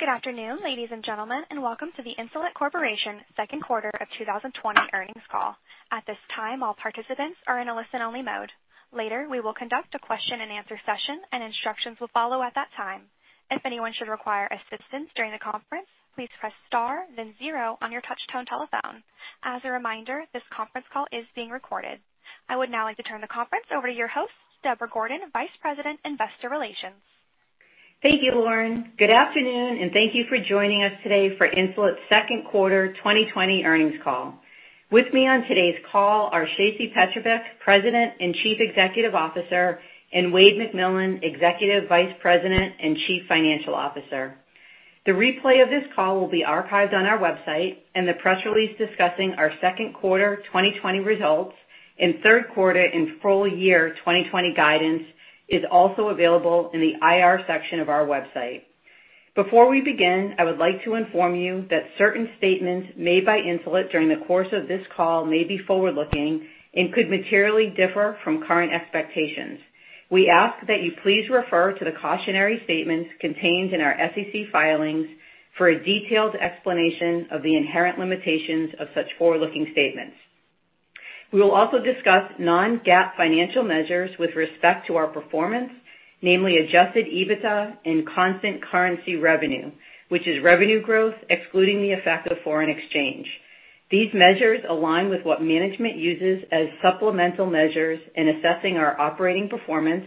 Good afternoon, ladies and gentlemen, and welcome to the Insulet Corporation second quarter of 2020 earnings call. At this time, all participants are in a listen-only mode. Later, we will conduct a question-and-answer session, and instructions will follow at that time. If anyone should require assistance during the conference, please press star, then zero on your touch-tone telephone. As a reminder, this conference call is being recorded. I would now like to turn the conference over to your host, Deborah Gordon, Vice President, Investor Relations. Thank you, Lauren. Good afternoon, and thank you for joining us today for Insulet's second quarter 2020 earnings call. With me on today's call are Shacey Petrovic, President and Chief Executive Officer, and Wayde McMillan, Executive Vice President and Chief Financial Officer. The replay of this call will be archived on our website, and the press release discussing our second quarter 2020 results and third quarter and full year 2020 guidance is also available in the IR section of our website. Before we begin, I would like to inform you that certain statements made by Insulet during the course of this call may be forward-looking and could materially differ from current expectations. We ask that you please refer to the cautionary statements contained in our SEC filings for a detailed explanation of the inherent limitations of such forward-looking statements. We will also discuss non-GAAP financial measures with respect to our performance, namely Adjusted EBITDA and constant currency revenue, which is revenue growth excluding the effect of foreign exchange. These measures align with what management uses as supplemental measures in assessing our operating performance,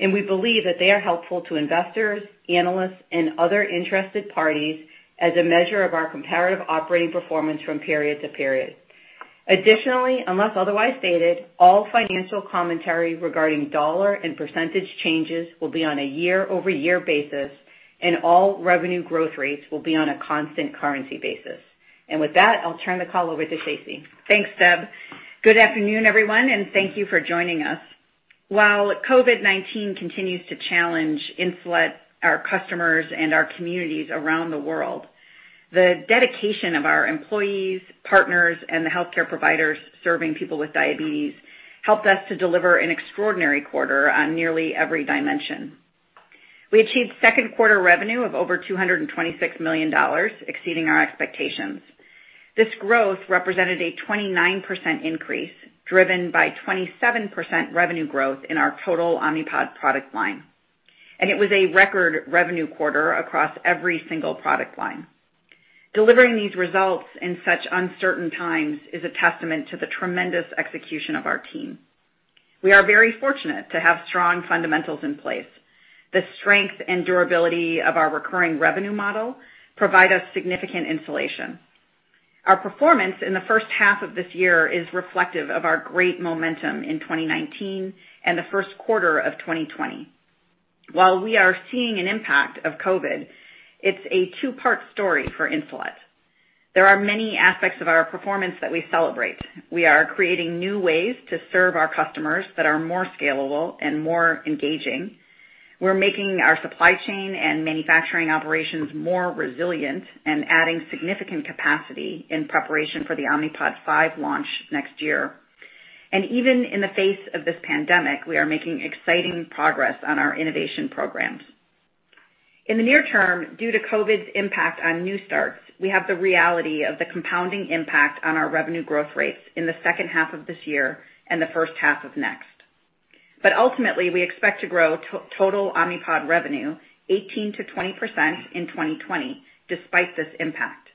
and we believe that they are helpful to investors, analysts, and other interested parties as a measure of our comparative operating performance from period to period. Additionally, unless otherwise stated, all financial commentary regarding dollar and percentage changes will be on a year-over-year basis, and all revenue growth rates will be on a constant currency basis. And with that, I'll turn the call over to Shacey. Thanks, Deb. Good afternoon, everyone, and thank you for joining us. While COVID-19 continues to challenge Insulet, our customers, and our communities around the world, the dedication of our employees, partners, and the healthcare providers serving people with diabetes helped us to deliver an extraordinary quarter on nearly every dimension. We achieved second quarter revenue of over $226 million, exceeding our expectations. This growth represented a 29% increase driven by 27% revenue growth in our total Omnipod product line, and it was a record revenue quarter across every single product line. Delivering these results in such uncertain times is a testament to the tremendous execution of our team. We are very fortunate to have strong fundamentals in place. The strength and durability of our recurring revenue model provide us significant insulation. Our performance in the first half of this year is reflective of our great momentum in 2019 and the first quarter of 2020. While we are seeing an impact of COVID, it's a two-part story for Insulet. There are many aspects of our performance that we celebrate. We are creating new ways to serve our customers that are more scalable and more engaging. We're making our supply chain and manufacturing operations more resilient and adding significant capacity in preparation for the Omnipod 5 launch next year, and even in the face of this pandemic, we are making exciting progress on our innovation programs. In the near term, due to COVID's impact on new starts, we have the reality of the compounding impact on our revenue growth rates in the second half of this year and the first half of next, but ultimately, we expect to grow total Omnipod revenue 18%-20% in 2020 despite this impact.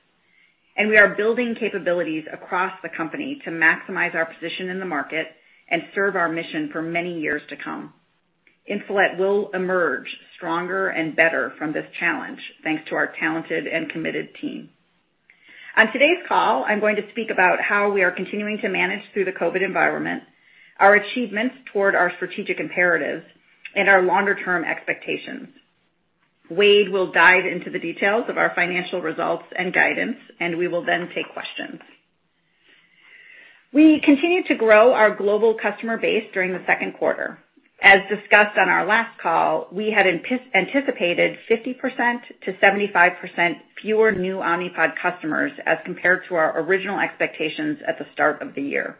And we are building capabilities across the company to maximize our position in the market and serve our mission for many years to come. Insulet will emerge stronger and better from this challenge thanks to our talented and committed team. On today's call, I'm going to speak about how we are continuing to manage through the COVID environment, our achievements toward our strategic imperatives, and our longer-term expectations. Wayde will dive into the details of our financial results and guidance, and we will then take questions. We continue to grow our global customer base during the second quarter. As discussed on our last call, we had anticipated 50%-75% fewer new Omnipod customers as compared to our original expectations at the start of the year.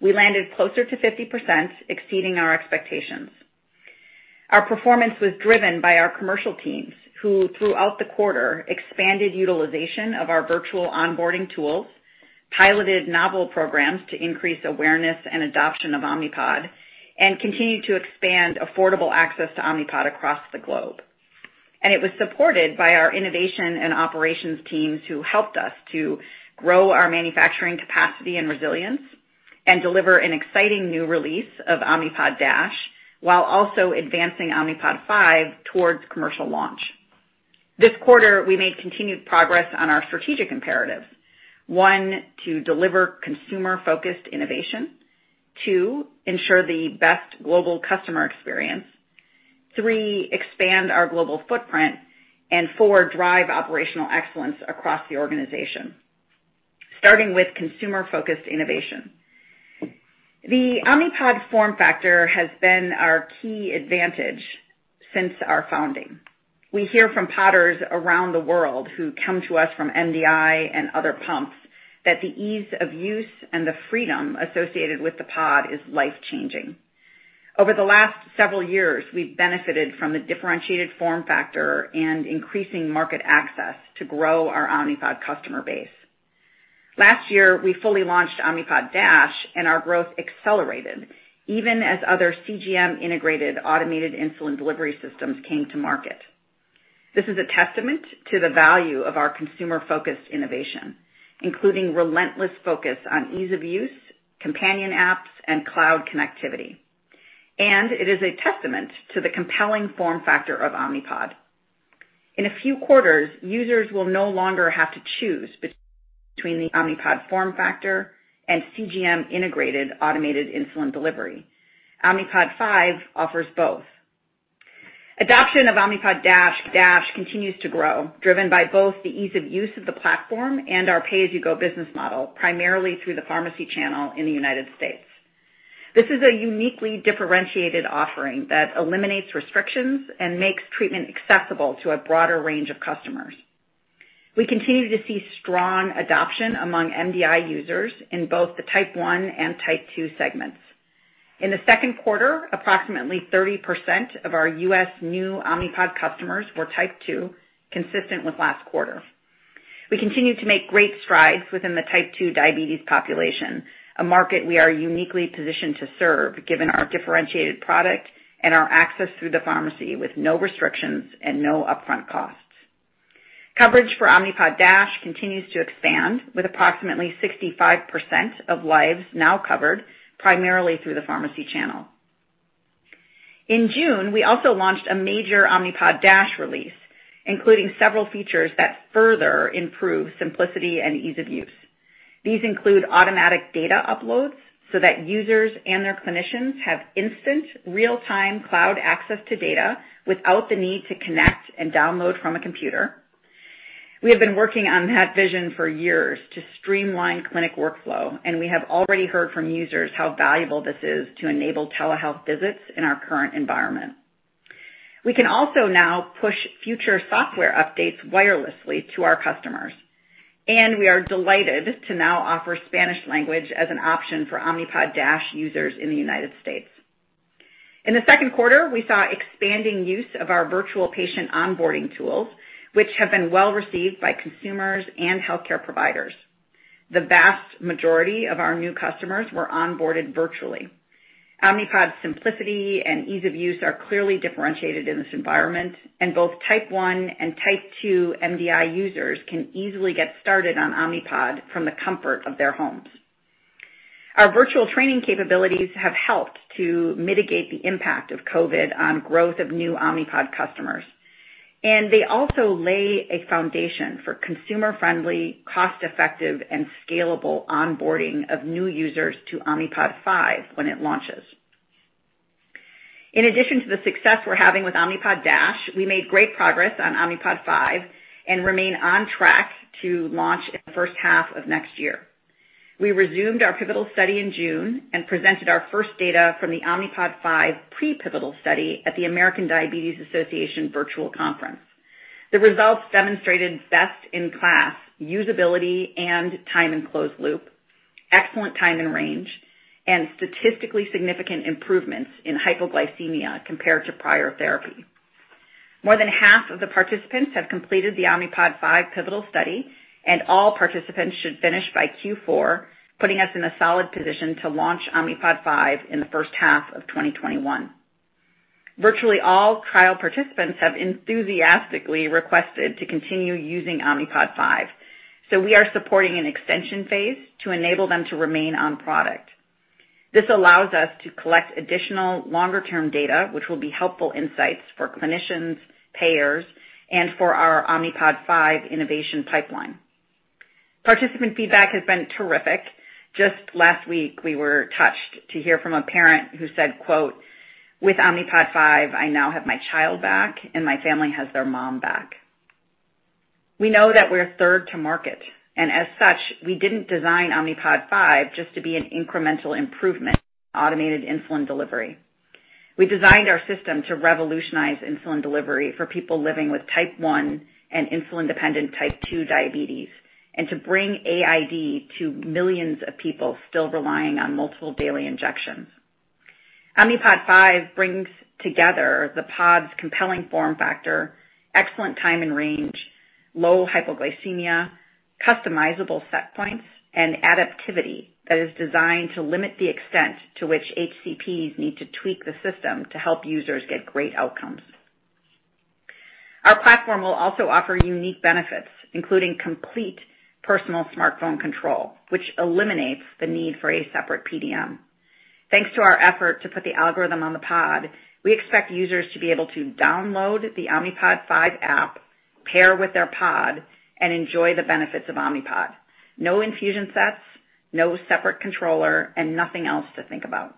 We landed closer to 50%, exceeding our expectations. Our performance was driven by our commercial teams, who throughout the quarter expanded utilization of our virtual onboarding tools, piloted novel programs to increase awareness and adoption of Omnipod, and continued to expand affordable access to Omnipod across the globe, and it was supported by our innovation and operations teams who helped us to grow our manufacturing capacity and resilience and deliver an exciting new release of Omnipod DASH while also advancing Omnipod 5 towards commercial launch. This quarter, we made continued progress on our strategic imperatives: one, to deliver consumer-focused innovation, two, ensure the best global customer experience, three, expand our global footprint, and four, drive operational excellence across the organization, starting with consumer-focused innovation. The Omnipod form factor has been our key advantage since our founding. We hear from podders around the world who come to us from MDI and other pumps that the ease of use and the freedom associated with the pod is life-changing. Over the last several years, we've benefited from the differentiated form factor and increasing market access to grow our Omnipod customer base. Last year, we fully launched Omnipod DASH, and our growth accelerated even as other CGM-integrated automated insulin delivery systems came to market. This is a testament to the value of our consumer-focused innovation, including relentless focus on ease of use, companion apps, and cloud connectivity. And it is a testament to the compelling form factor of Omnipod. In a few quarters, users will no longer have to choose between the Omnipod form factor and CGM-integrated automated insulin delivery. Omnipod 5 offers both. Adoption of Omnipod DASH continues to grow, driven by both the ease of use of the platform and our pay-as-you-go business model, primarily through the pharmacy channel in the United States. This is a uniquely differentiated offering that eliminates restrictions and makes treatment accessible to a broader range of customers. We continue to see strong adoption among MDI users in both the type 1 and type 2 segments. In the second quarter, approximately 30% of our U.S. new Omnipod customers were type 2, consistent with last quarter. We continue to make great strides within the type 2 diabetes population, a market we are uniquely positioned to serve given our differentiated product and our access through the pharmacy with no restrictions and no upfront costs. Coverage for Omnipod DASH continues to expand with approximately 65% of lives now covered primarily through the pharmacy channel. In June, we also launched a major Omnipod DASH release, including several features that further improve simplicity and ease of use. These include automatic data uploads so that users and their clinicians have instant, real-time cloud access to data without the need to connect and download from a computer. We have been working on that vision for years to streamline clinic workflow, and we have already heard from users how valuable this is to enable telehealth visits in our current environment. We can also now push future software updates wirelessly to our customers, and we are delighted to now offer Spanish language as an option for Omnipod DASH users in the United States. In the second quarter, we saw expanding use of our virtual patient onboarding tools, which have been well received by consumers and healthcare providers. The vast majority of our new customers were onboarded virtually. Omnipod's simplicity and ease of use are clearly differentiated in this environment, and both type 1 and type 2 MDI users can easily get started on Omnipod from the comfort of their homes. Our virtual training capabilities have helped to mitigate the impact of COVID on the growth of new Omnipod customers, and they also lay a foundation for consumer-friendly, cost-effective, and scalable onboarding of new users to Omnipod 5 when it launches. In addition to the success we're having with Omnipod DASH, we made great progress on Omnipod 5 and remain on track to launch in the first half of next year. We resumed our pivotal study in June and presented our first data from the Omnipod 5 pre-pivotal study at the American Diabetes Association virtual conference. The results demonstrated best-in-class usability and time-in-closed-loop, excellent time-in-range, and statistically significant improvements in hypoglycemia compared to prior therapy. More than half of the participants have completed the Omnipod 5 pivotal study, and all participants should finish by Q4, putting us in a solid position to launch Omnipod 5 in the first half of 2021. Virtually all trial participants have enthusiastically requested to continue using Omnipod 5, so we are supporting an extension phase to enable them to remain on product. This allows us to collect additional longer-term data, which will be helpful insights for clinicians, payers, and for our Omnipod 5 innovation pipeline. Participant feedback has been terrific. Just last week, we were touched to hear from a parent who said, "With Omnipod 5, I now have my child back, and my family has their mom back." We know that we're third to market, and as such, we didn't design Omnipod 5 just to be an incremental improvement in automated insulin delivery. We designed our system to revolutionize insulin delivery for people living with type 1 and insulin-dependent type 2 diabetes and to bring AID to millions of people still relying on multiple daily injections. Omnipod 5 brings together the pod's compelling form factor, excellent time-in-range, low hypoglycemia, customizable set points, and adaptivity that is designed to limit the extent to which HCPs need to tweak the system to help users get great outcomes. Our platform will also offer unique benefits, including complete personal smartphone control, which eliminates the need for a separate PDM. Thanks to our effort to put the algorithm on the pod, we expect users to be able to download the Omnipod 5 app, pair with their pod, and enjoy the benefits of Omnipod: no infusion sets, no separate controller, and nothing else to think about.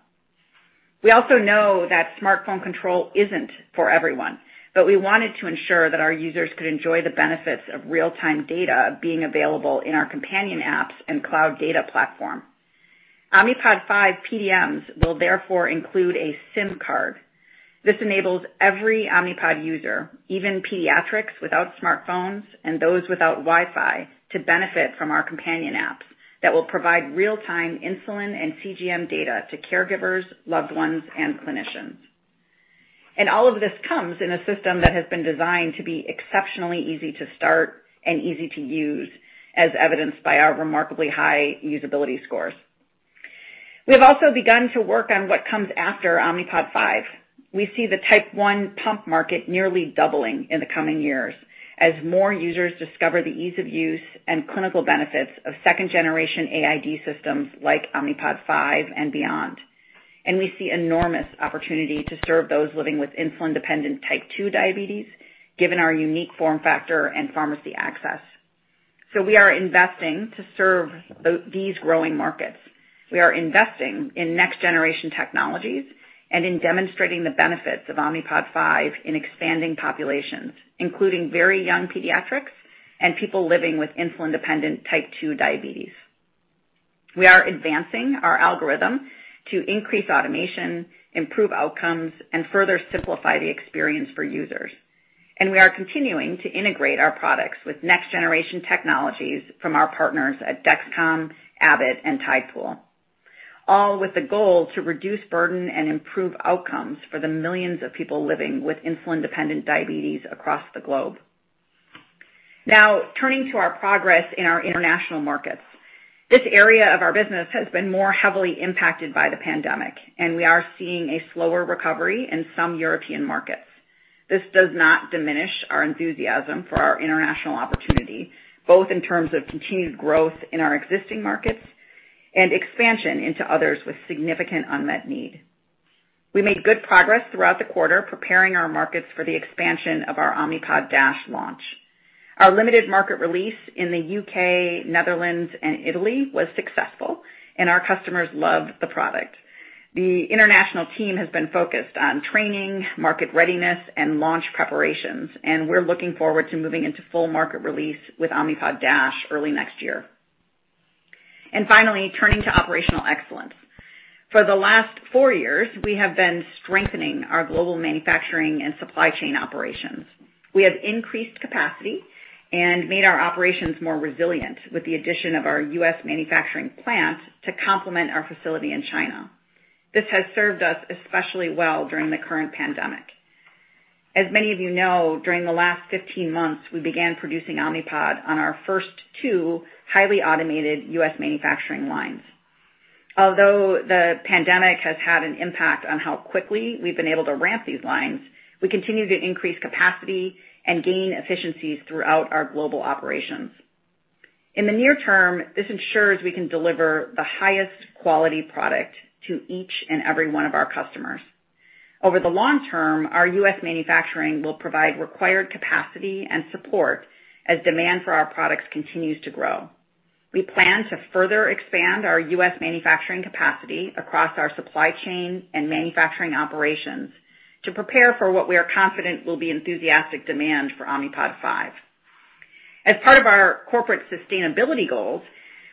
We also know that smartphone control isn't for everyone, but we wanted to ensure that our users could enjoy the benefits of real-time data being available in our companion apps and cloud data platform. Omnipod 5 PDMs will therefore include a SIM card. This enables every Omnipod user, even pediatrics without smartphones and those without Wi-Fi, to benefit from our companion apps that will provide real-time insulin and CGM data to caregivers, loved ones, and clinicians, and all of this comes in a system that has been designed to be exceptionally easy to start and easy to use, as evidenced by our remarkably high usability scores. We have also begun to work on what comes after Omnipod 5. We see the type 1 pump market nearly doubling in the coming years as more users discover the ease of use and clinical benefits of second-generation AID systems like Omnipod 5 and beyond. And we see enormous opportunity to serve those living with insulin-dependent type 2 diabetes, given our unique form factor and pharmacy access. So we are investing to serve these growing markets. We are investing in next-generation technologies and in demonstrating the benefits of Omnipod 5 in expanding populations, including very young pediatrics and people living with insulin-dependent type 2 diabetes. We are advancing our algorithm to increase automation, improve outcomes, and further simplify the experience for users. We are continuing to integrate our products with next-generation technologies from our partners at Dexcom, Abbott, and Tidepool, all with the goal to reduce burden and improve outcomes for the millions of people living with insulin-dependent diabetes across the globe. Now, turning to our progress in our international markets, this area of our business has been more heavily impacted by the pandemic, and we are seeing a slower recovery in some European markets. This does not diminish our enthusiasm for our international opportunity, both in terms of continued growth in our existing markets and expansion into others with significant unmet need. We made good progress throughout the quarter preparing our markets for the expansion of our Omnipod DASH launch. Our limited market release in the U.K., Netherlands, and Italy was successful, and our customers love the product. The international team has been focused on training, market readiness, and launch preparations, and we're looking forward to moving into full market release with Omnipod DASH early next year. And finally, turning to operational excellence. For the last four years, we have been strengthening our global manufacturing and supply chain operations. We have increased capacity and made our operations more resilient with the addition of our U.S. manufacturing plant to complement our facility in China. This has served us especially well during the current pandemic. As many of you know, during the last 15 months, we began producing Omnipod on our first two highly automated U.S. manufacturing lines. Although the pandemic has had an impact on how quickly we've been able to ramp these lines, we continue to increase capacity and gain efficiencies throughout our global operations. In the near term, this ensures we can deliver the highest quality product to each and every one of our customers. Over the long term, our U.S. manufacturing will provide required capacity and support as demand for our products continues to grow. We plan to further expand our U.S. manufacturing capacity across our supply chain and manufacturing operations to prepare for what we are confident will be enthusiastic demand for Omnipod 5. As part of our corporate sustainability goals,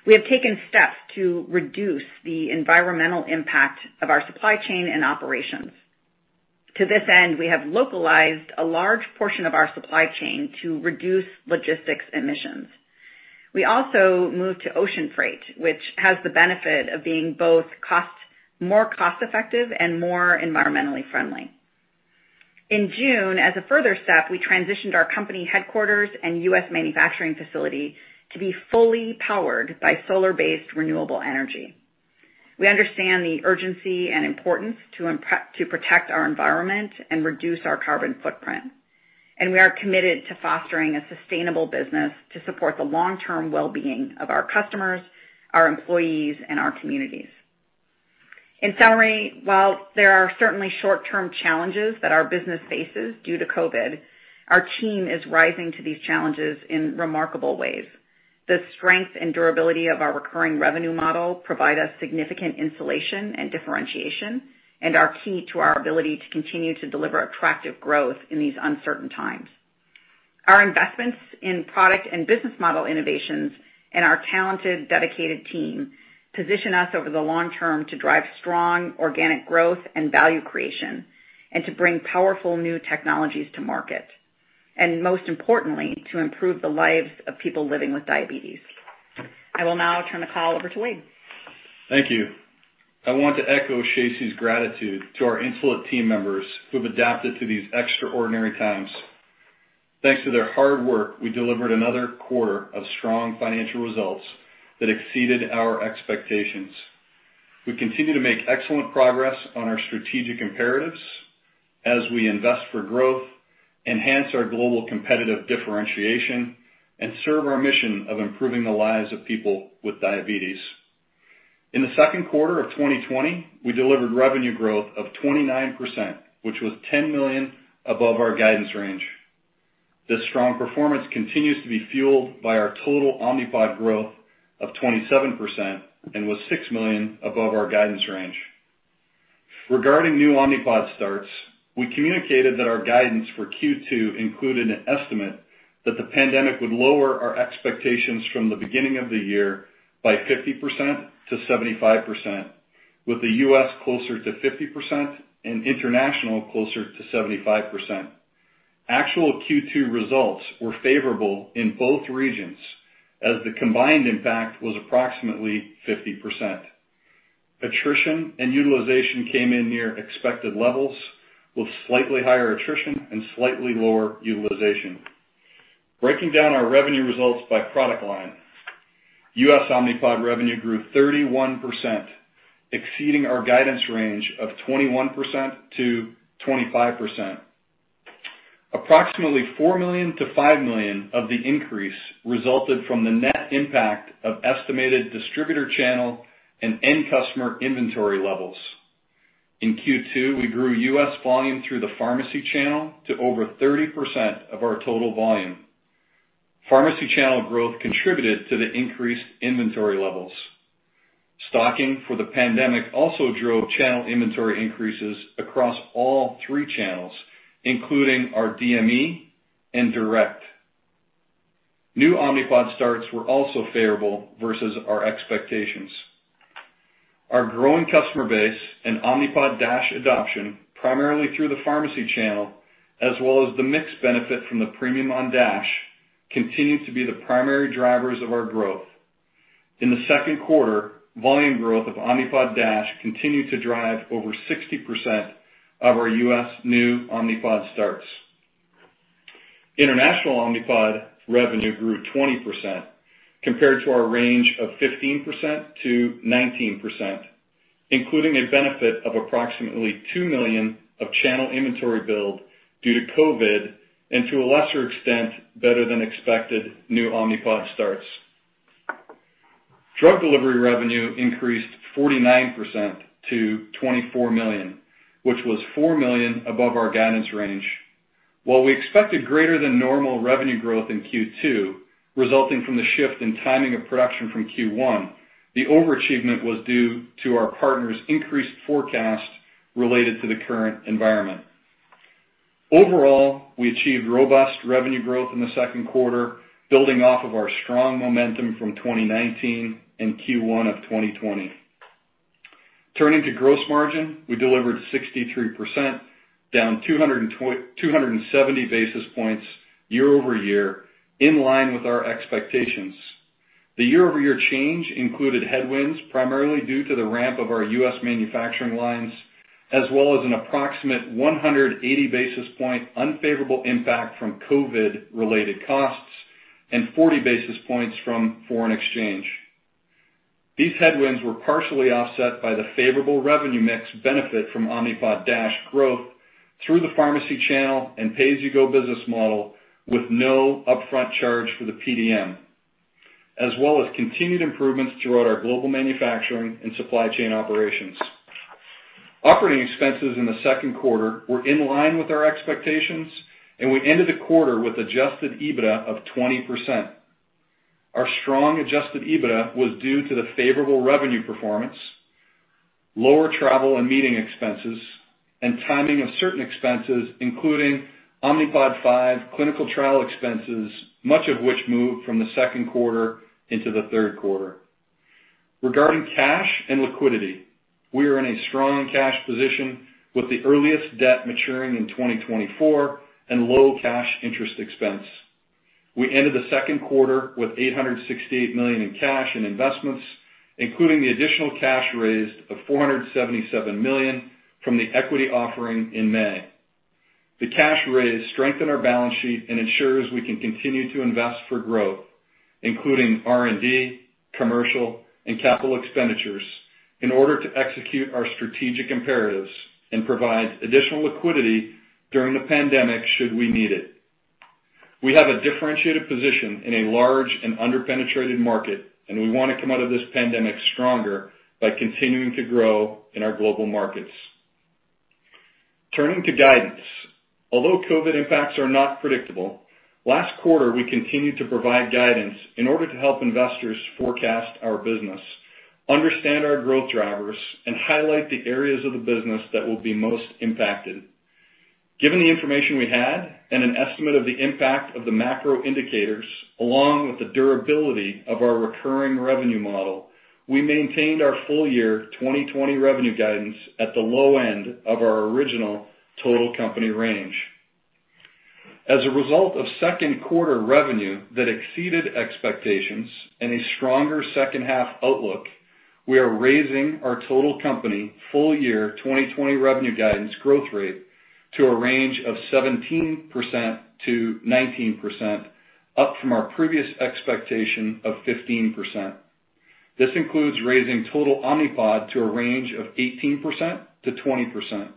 we have taken steps to reduce the environmental impact of our supply chain and operations. To this end, we have localized a large portion of our supply chain to reduce logistics emissions. We also moved to ocean freight, which has the benefit of being both more cost-effective and more environmentally friendly. In June, as a further step, we transitioned our company headquarters and U.S. manufacturing facility to be fully powered by solar-based renewable energy. We understand the urgency and importance to protect our environment and reduce our carbon footprint, and we are committed to fostering a sustainable business to support the long-term well-being of our customers, our employees, and our communities. In summary, while there are certainly short-term challenges that our business faces due to COVID, our team is rising to these challenges in remarkable ways. The strength and durability of our recurring revenue model provide us significant insulation and differentiation and are key to our ability to continue to deliver attractive growth in these uncertain times. Our investments in product and business model innovations and our talented, dedicated team position us over the long term to drive strong organic growth and value creation and to bring powerful new technologies to market, and most importantly, to improve the lives of people living with diabetes. I will now turn the call over to Wayde. Thank you. I want to echo Shacey's gratitude to our Insulet team members who have adapted to these extraordinary times. Thanks to their hard work, we delivered another quarter of strong financial results that exceeded our expectations. We continue to make excellent progress on our strategic imperatives as we invest for growth, enhance our global competitive differentiation, and serve our mission of improving the lives of people with diabetes. In the second quarter of 2020, we delivered revenue growth of 29%, which was $10 million above our guidance range. This strong performance continues to be fueled by our total Omnipod growth of 27% and was $6 million above our guidance range. Regarding new Omnipod starts, we communicated that our guidance for Q2 included an estimate that the pandemic would lower our expectations from the beginning of the year by 50%-75%, with the U.S. closer to 50% and international closer to 75%. Actual Q2 results were favorable in both regions as the combined impact was approximately 50%. Attrition and utilization came in near expected levels, with slightly higher attrition and slightly lower utilization. Breaking down our revenue results by product line. U.S. Omnipod revenue grew 31%, exceeding our guidance range of 21%-25%. Approximately $4 million-$5 million of the increase resulted from the net impact of estimated distributor channel and end customer inventory levels. In Q2, we grew U.S. volume through the pharmacy channel to over 30% of our total volume. Pharmacy channel growth contributed to the increased inventory levels. Stocking for the pandemic also drove channel inventory increases across all three channels, including our DME and direct. New Omnipod starts were also favorable versus our expectations. Our growing customer base and Omnipod DASH adoption, primarily through the pharmacy channel, as well as the mixed benefit from the premium on DASH, continue to be the primary drivers of our growth. In the second quarter, volume growth of Omnipod DASH continued to drive over 60% of our U.S. new Omnipod starts. International Omnipod revenue grew 20% compared to our range of 15%-19%, including a benefit of approximately $2 million of channel inventory build due to COVID and, to a lesser extent, better than expected new Omnipod starts. Drug delivery revenue increased 49% to $24 million, which was $4 million above our guidance range. While we expected greater than normal revenue growth in Q2 resulting from the shift in timing of production from Q1, the overachievement was due to our partners' increased forecast related to the current environment. Overall, we achieved robust revenue growth in the second quarter, building off of our strong momentum from 2019 and Q1 of 2020. Turning to gross margin, we delivered 63%, down 270 basis points year-over-year, in line with our expectations. The year-over-year change included headwinds primarily due to the ramp of our U.S. manufacturing lines, as well as an approximate 180 basis point unfavorable impact from COVID-related costs and 40 basis points from foreign exchange. These headwinds were partially offset by the favorable revenue mix benefit from Omnipod DASH growth through the pharmacy channel and pay-as-you-go business model with no upfront charge for the PDM, as well as continued improvements throughout our global manufacturing and supply chain operations. Operating expenses in the second quarter were in line with our expectations, and we ended the quarter with Adjusted EBITDA of 20%. Our strong Adjusted EBITDA was due to the favorable revenue performance, lower travel and meeting expenses, and timing of certain expenses, including Omnipod 5 clinical trial expenses, much of which moved from the second quarter into the third quarter. Regarding cash and liquidity, we are in a strong cash position with the earliest debt maturing in 2024 and low cash interest expense. We ended the second quarter with $868 million in cash and investments, including the additional cash raised of $477 million from the equity offering in May. The cash raised strengthened our balance sheet and ensures we can continue to invest for growth, including R&D, commercial, and capital expenditures, in order to execute our strategic imperatives and provide additional liquidity during the pandemic should we need it. We have a differentiated position in a large and underpenetrated market, and we want to come out of this pandemic stronger by continuing to grow in our global markets. Turning to guidance, although COVID impacts are not predictable, last quarter we continued to provide guidance in order to help investors forecast our business, understand our growth drivers, and highlight the areas of the business that will be most impacted. Given the information we had and an estimate of the impact of the macro indicators along with the durability of our recurring revenue model, we maintained our full year 2020 revenue guidance at the low end of our original total company range. As a result of second quarter revenue that exceeded expectations and a stronger second-half outlook, we are raising our total company full year 2020 revenue guidance growth rate to a range of 17%-19%, up from our previous expectation of 15%. This includes raising total Omnipod to a range of 18%-20%.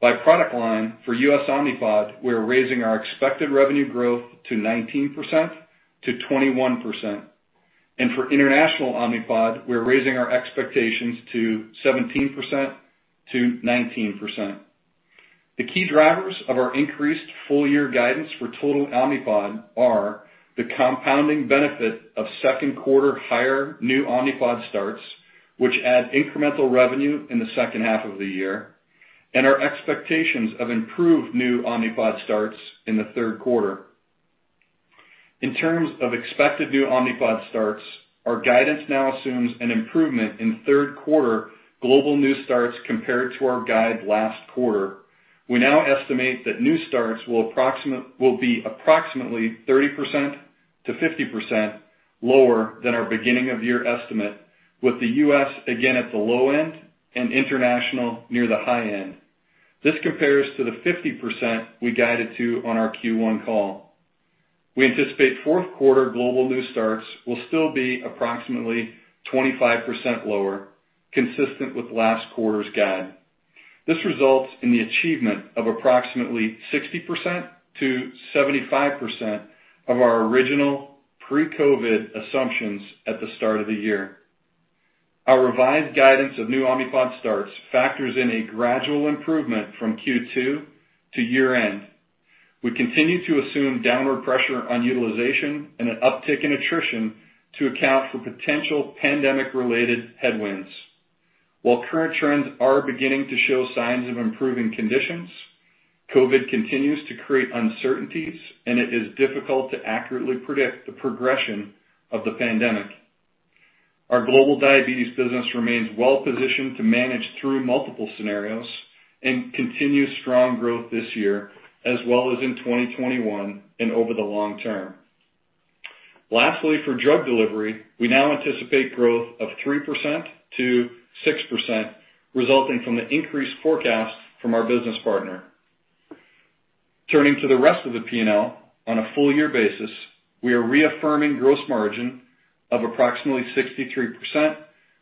By product line, for U.S. Omnipod, we are raising our expected revenue growth to 19%-21%, and for international Omnipod, we are raising our expectations to 17%-19%. The key drivers of our increased full year guidance for total Omnipod are the compounding benefit of second quarter higher new Omnipod starts, which add incremental revenue in the second half of the year, and our expectations of improved new Omnipod starts in the third quarter. In terms of expected new Omnipod starts, our guidance now assumes an improvement in third quarter global new starts compared to our guide last quarter. We now estimate that new starts will be approximately 30%-50% lower than our beginning of year estimate, with the U.S. again at the low end and international near the high end. This compares to the 50% we guided to on our Q1 call. We anticipate fourth quarter global new starts will still be approximately 25% lower, consistent with last quarter's guide. This results in the achievement of approximately 60%-75% of our original pre-COVID assumptions at the start of the year. Our revised guidance of new Omnipod starts factors in a gradual improvement from Q2 to year-end. We continue to assume downward pressure on utilization and an uptick in attrition to account for potential pandemic-related headwinds. While current trends are beginning to show signs of improving conditions, COVID continues to create uncertainties, and it is difficult to accurately predict the progression of the pandemic. Our global diabetes business remains well-positioned to manage through multiple scenarios and continue strong growth this year, as well as in 2021 and over the long term. Lastly, for drug delivery, we now anticipate growth of 3%-6%, resulting from the increased forecast from our business partner. Turning to the rest of the P&L, on a full year basis, we are reaffirming gross margin of approximately 63%,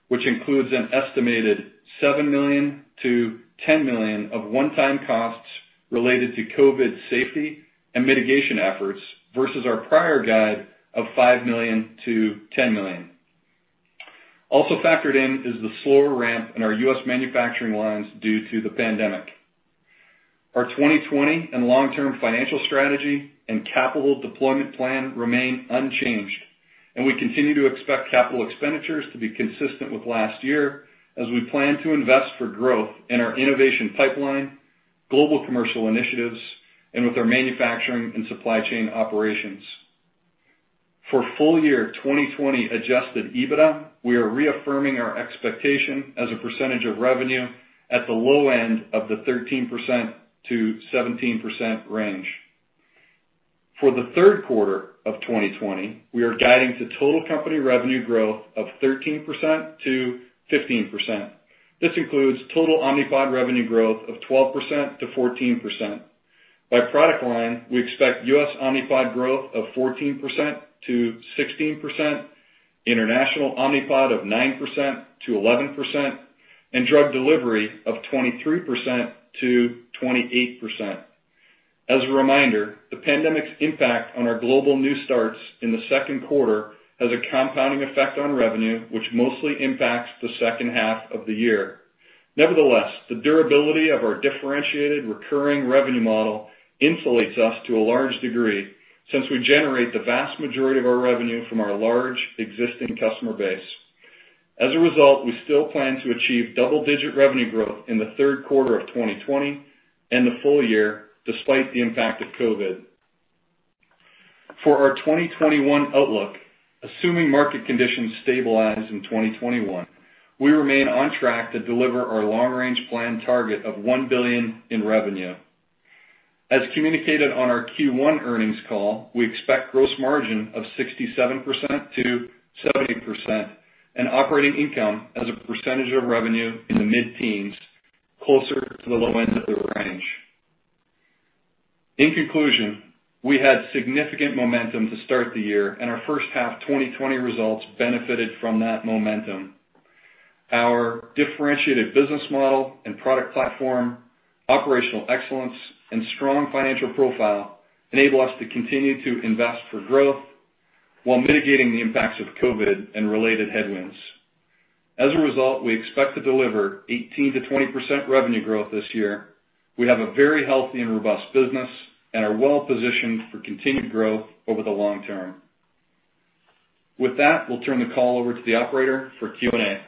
which includes an estimated $7 million-$10 million of one-time costs related to COVID safety and mitigation efforts versus our prior guide of $5 million-$10 million. Also factored in is the slower ramp in our U.S. manufacturing lines due to the pandemic. Our 2020 and long-term financial strategy and capital deployment plan remain unchanged, and we continue to expect capital expenditures to be consistent with last year as we plan to invest for growth in our innovation pipeline, global commercial initiatives, and with our manufacturing and supply chain operations. For full year 2020 Adjusted EBITDA, we are reaffirming our expectation as a percentage of revenue at the low end of the 13%-17% range. For the third quarter of 2020, we are guiding to total company revenue growth of 13%-15%. This includes total Omnipod revenue growth of 12%-14%. By product line, we expect U.S. Omnipod growth of 14%-16%, international Omnipod of 9%-11%, and drug delivery of 23%-28%. As a reminder, the pandemic's impact on our global new starts in the second quarter has a compounding effect on revenue, which mostly impacts the second half of the year. Nevertheless, the durability of our differentiated recurring revenue model insulates us to a large degree since we generate the vast majority of our revenue from our large existing customer base. As a result, we still plan to achieve double-digit revenue growth in the third quarter of 2020 and the full year despite the impact of COVID. For our 2021 outlook, assuming market conditions stabilize in 2021, we remain on track to deliver our long-range plan target of $1 billion in revenue. As communicated on our Q1 earnings call, we expect gross margin of 67%-70% and operating income as a percentage of revenue in the mid-teens, closer to the low end of the range. In conclusion, we had significant momentum to start the year, and our first half 2020 results benefited from that momentum. Our differentiated business model and product platform, operational excellence, and strong financial profile enable us to continue to invest for growth while mitigating the impacts of COVID and related headwinds. As a result, we expect to deliver 18%-20% revenue growth this year. We have a very healthy and robust business and are well-positioned for continued growth over the long term. With that, we'll turn the call over to the operator for Q&A.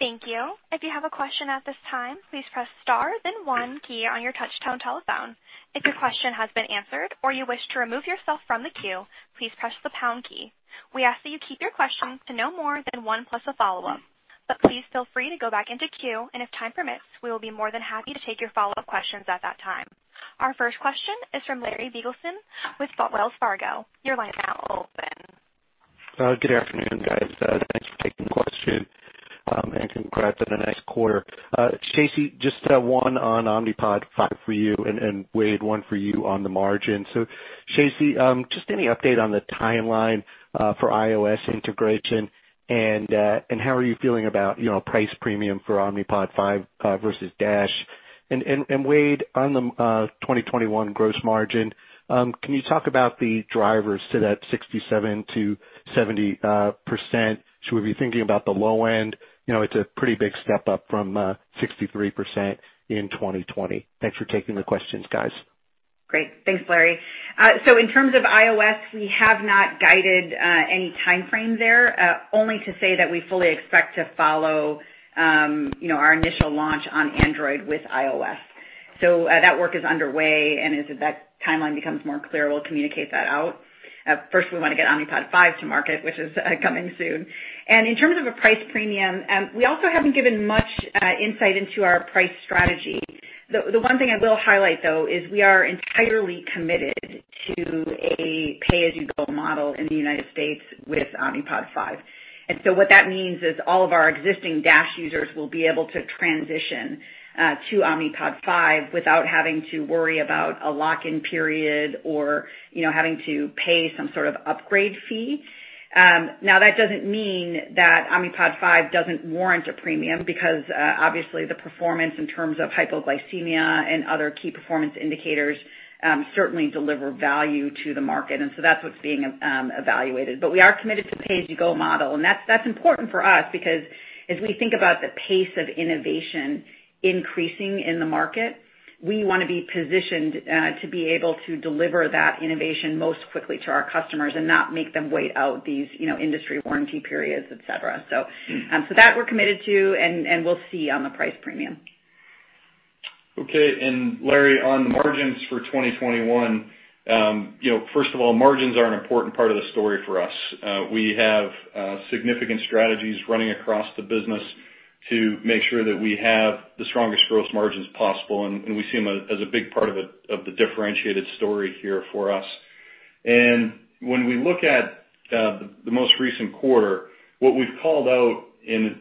Thank you. If you have a question at this time, please press star, then one key on your touch-tone telephone. If your question has been answered or you wish to remove yourself from the queue, please press the pound key. We ask that you keep your questions to no more than one plus a follow-up, but please feel free to go back into queue, and if time permits, we will be more than happy to take your follow-up questions at that time. Our first question is from Larry Biegelsen with Wells Fargo. Your line is now open. Good afternoon, guys. Thanks for taking the question and congrats on the next quarter. Shacey, just one on Omnipod 5 for you and Wayde, one for you on the margin. So Shacey, just any update on the timeline for iOS integration and how are you feeling about price premium for Omnipod 5 versus Dash? And Wayde, on the 2021 gross margin, can you talk about the drivers to that 67%-70%? Should we be thinking about the low end? It's a pretty big step up from 63% in 2020. Thanks for taking the questions, guys. Great. Thanks, Larry. So in terms of iOS, we have not guided any timeframe there, only to say that we fully expect to follow our initial launch on Android with iOS. So that work is underway, and as that timeline becomes more clear, we'll communicate that out. First, we want to get Omnipod 5 to market, which is coming soon. And in terms of a price premium, we also haven't given much insight into our price strategy. The one thing I will highlight, though, is we are entirely committed to a pay-as-you-go model in the United States with Omnipod 5. And so what that means is all of our existing DASH users will be able to transition to Omnipod 5 without having to worry about a lock-in period or having to pay some sort of upgrade fee. Now, that doesn't mean that Omnipod 5 doesn't warrant a premium because, obviously, the performance in terms of hypoglycemia and other key performance indicators certainly deliver value to the market, and so that's what's being evaluated. But we are committed to pay-as-you-go model, and that's important for us because as we think about the pace of innovation increasing in the market, we want to be positioned to be able to deliver that innovation most quickly to our customers and not make them wait out these industry warranty periods, etc. So that we're committed to, and we'll see on the price premium. Okay. And Larry, on the margins for 2021, first of all, margins are an important part of the story for us. We have significant strategies running across the business to make sure that we have the strongest gross margins possible, and we see them as a big part of the differentiated story here for us. And when we look at the most recent quarter, what we've called out in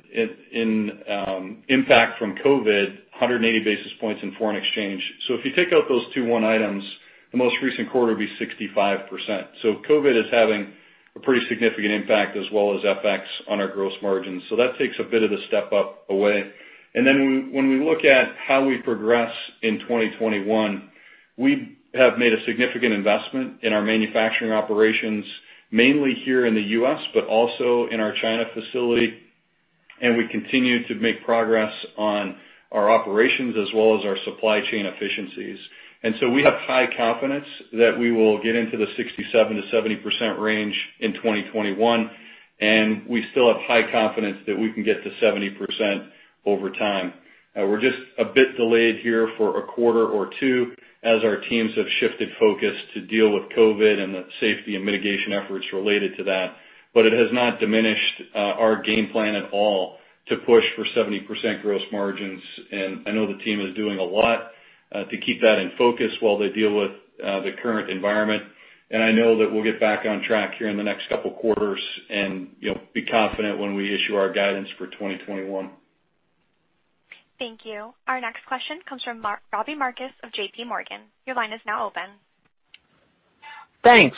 impact from COVID, 180 basis points in foreign exchange. So if you take out those two one-time items, the most recent quarter would be 65%. So COVID is having a pretty significant impact as well as FX on our gross margins. So that takes a bit of the step up away. And then when we look at how we progress in 2021, we have made a significant investment in our manufacturing operations, mainly here in the U.S., but also in our China facility. And we continue to make progress on our operations as well as our supply chain efficiencies. And so we have high confidence that we will get into the 67%-70% range in 2021, and we still have high confidence that we can get to 70% over time. We're just a bit delayed here for a quarter or two as our teams have shifted focus to deal with COVID and the safety and mitigation efforts related to that, but it has not diminished our game plan at all to push for 70% gross margins. And I know the team is doing a lot to keep that in focus while they deal with the current environment. And I know that we'll get back on track here in the next couple of quarters and be confident when we issue our guidance for 2021. Thank you. Our next question comes from Robbie Marcus of JPMorgan. Your line is now open. Thanks.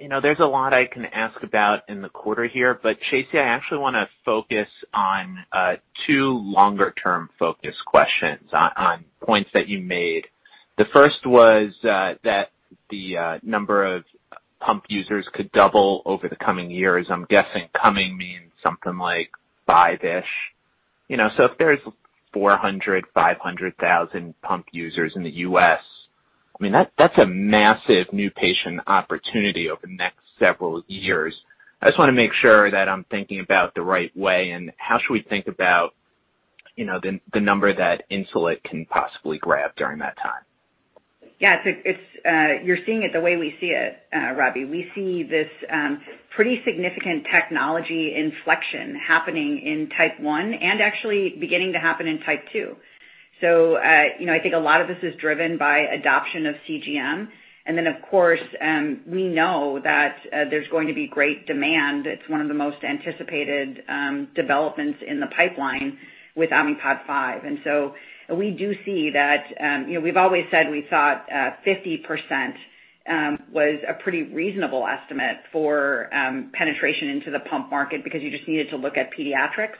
There's a lot I can ask about in the quarter here, but Shacey, I actually want to focus on two longer-term focus questions on points that you made. The first was that the number of pump users could double over the coming years. I'm guessing coming means something like five-ish. So if there's 400,000-500,000 pump users in the U.S., I mean, that's a massive new patient opportunity over the next several years. I just want to make sure that I'm thinking about the right way and how should we think about the number that Insulet can possibly grab during that time? Yeah. You're seeing it the way we see it, Robbie. We see this pretty significant technology inflection happening in type one and actually beginning to happen in type two, so I think a lot of this is driven by adoption of CGM, and then, of course, we know that there's going to be great demand. It's one of the most anticipated developments in the pipeline with Omnipod 5, and so we do see that we've always said we thought 50% was a pretty reasonable estimate for penetration into the pump market because you just needed to look at pediatrics,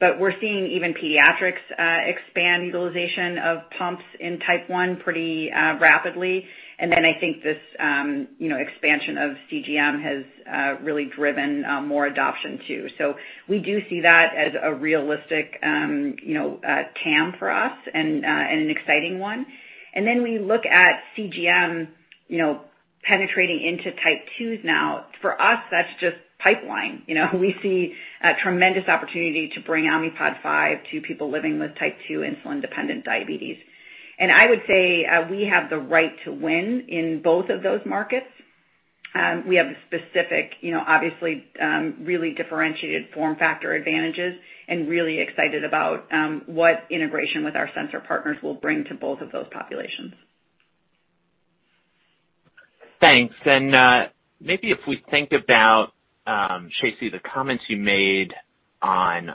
but we're seeing even pediatrics expand utilization of pumps in type one pretty rapidly, and then I think this expansion of CGM has really driven more adoption too, so we do see that as a realistic TAM for us and an exciting one. And then we look at CGM penetrating into type twos now. For us, that's just pipeline. We see a tremendous opportunity to bring Omnipod 5 to people living with type two insulin-dependent diabetes. And I would say we have the right to win in both of those markets. We have specific, obviously, really differentiated form factor advantages and really excited about what integration with our sensor partners will bring to both of those populations. Thanks. And maybe if we think about, Shacey, the comments you made on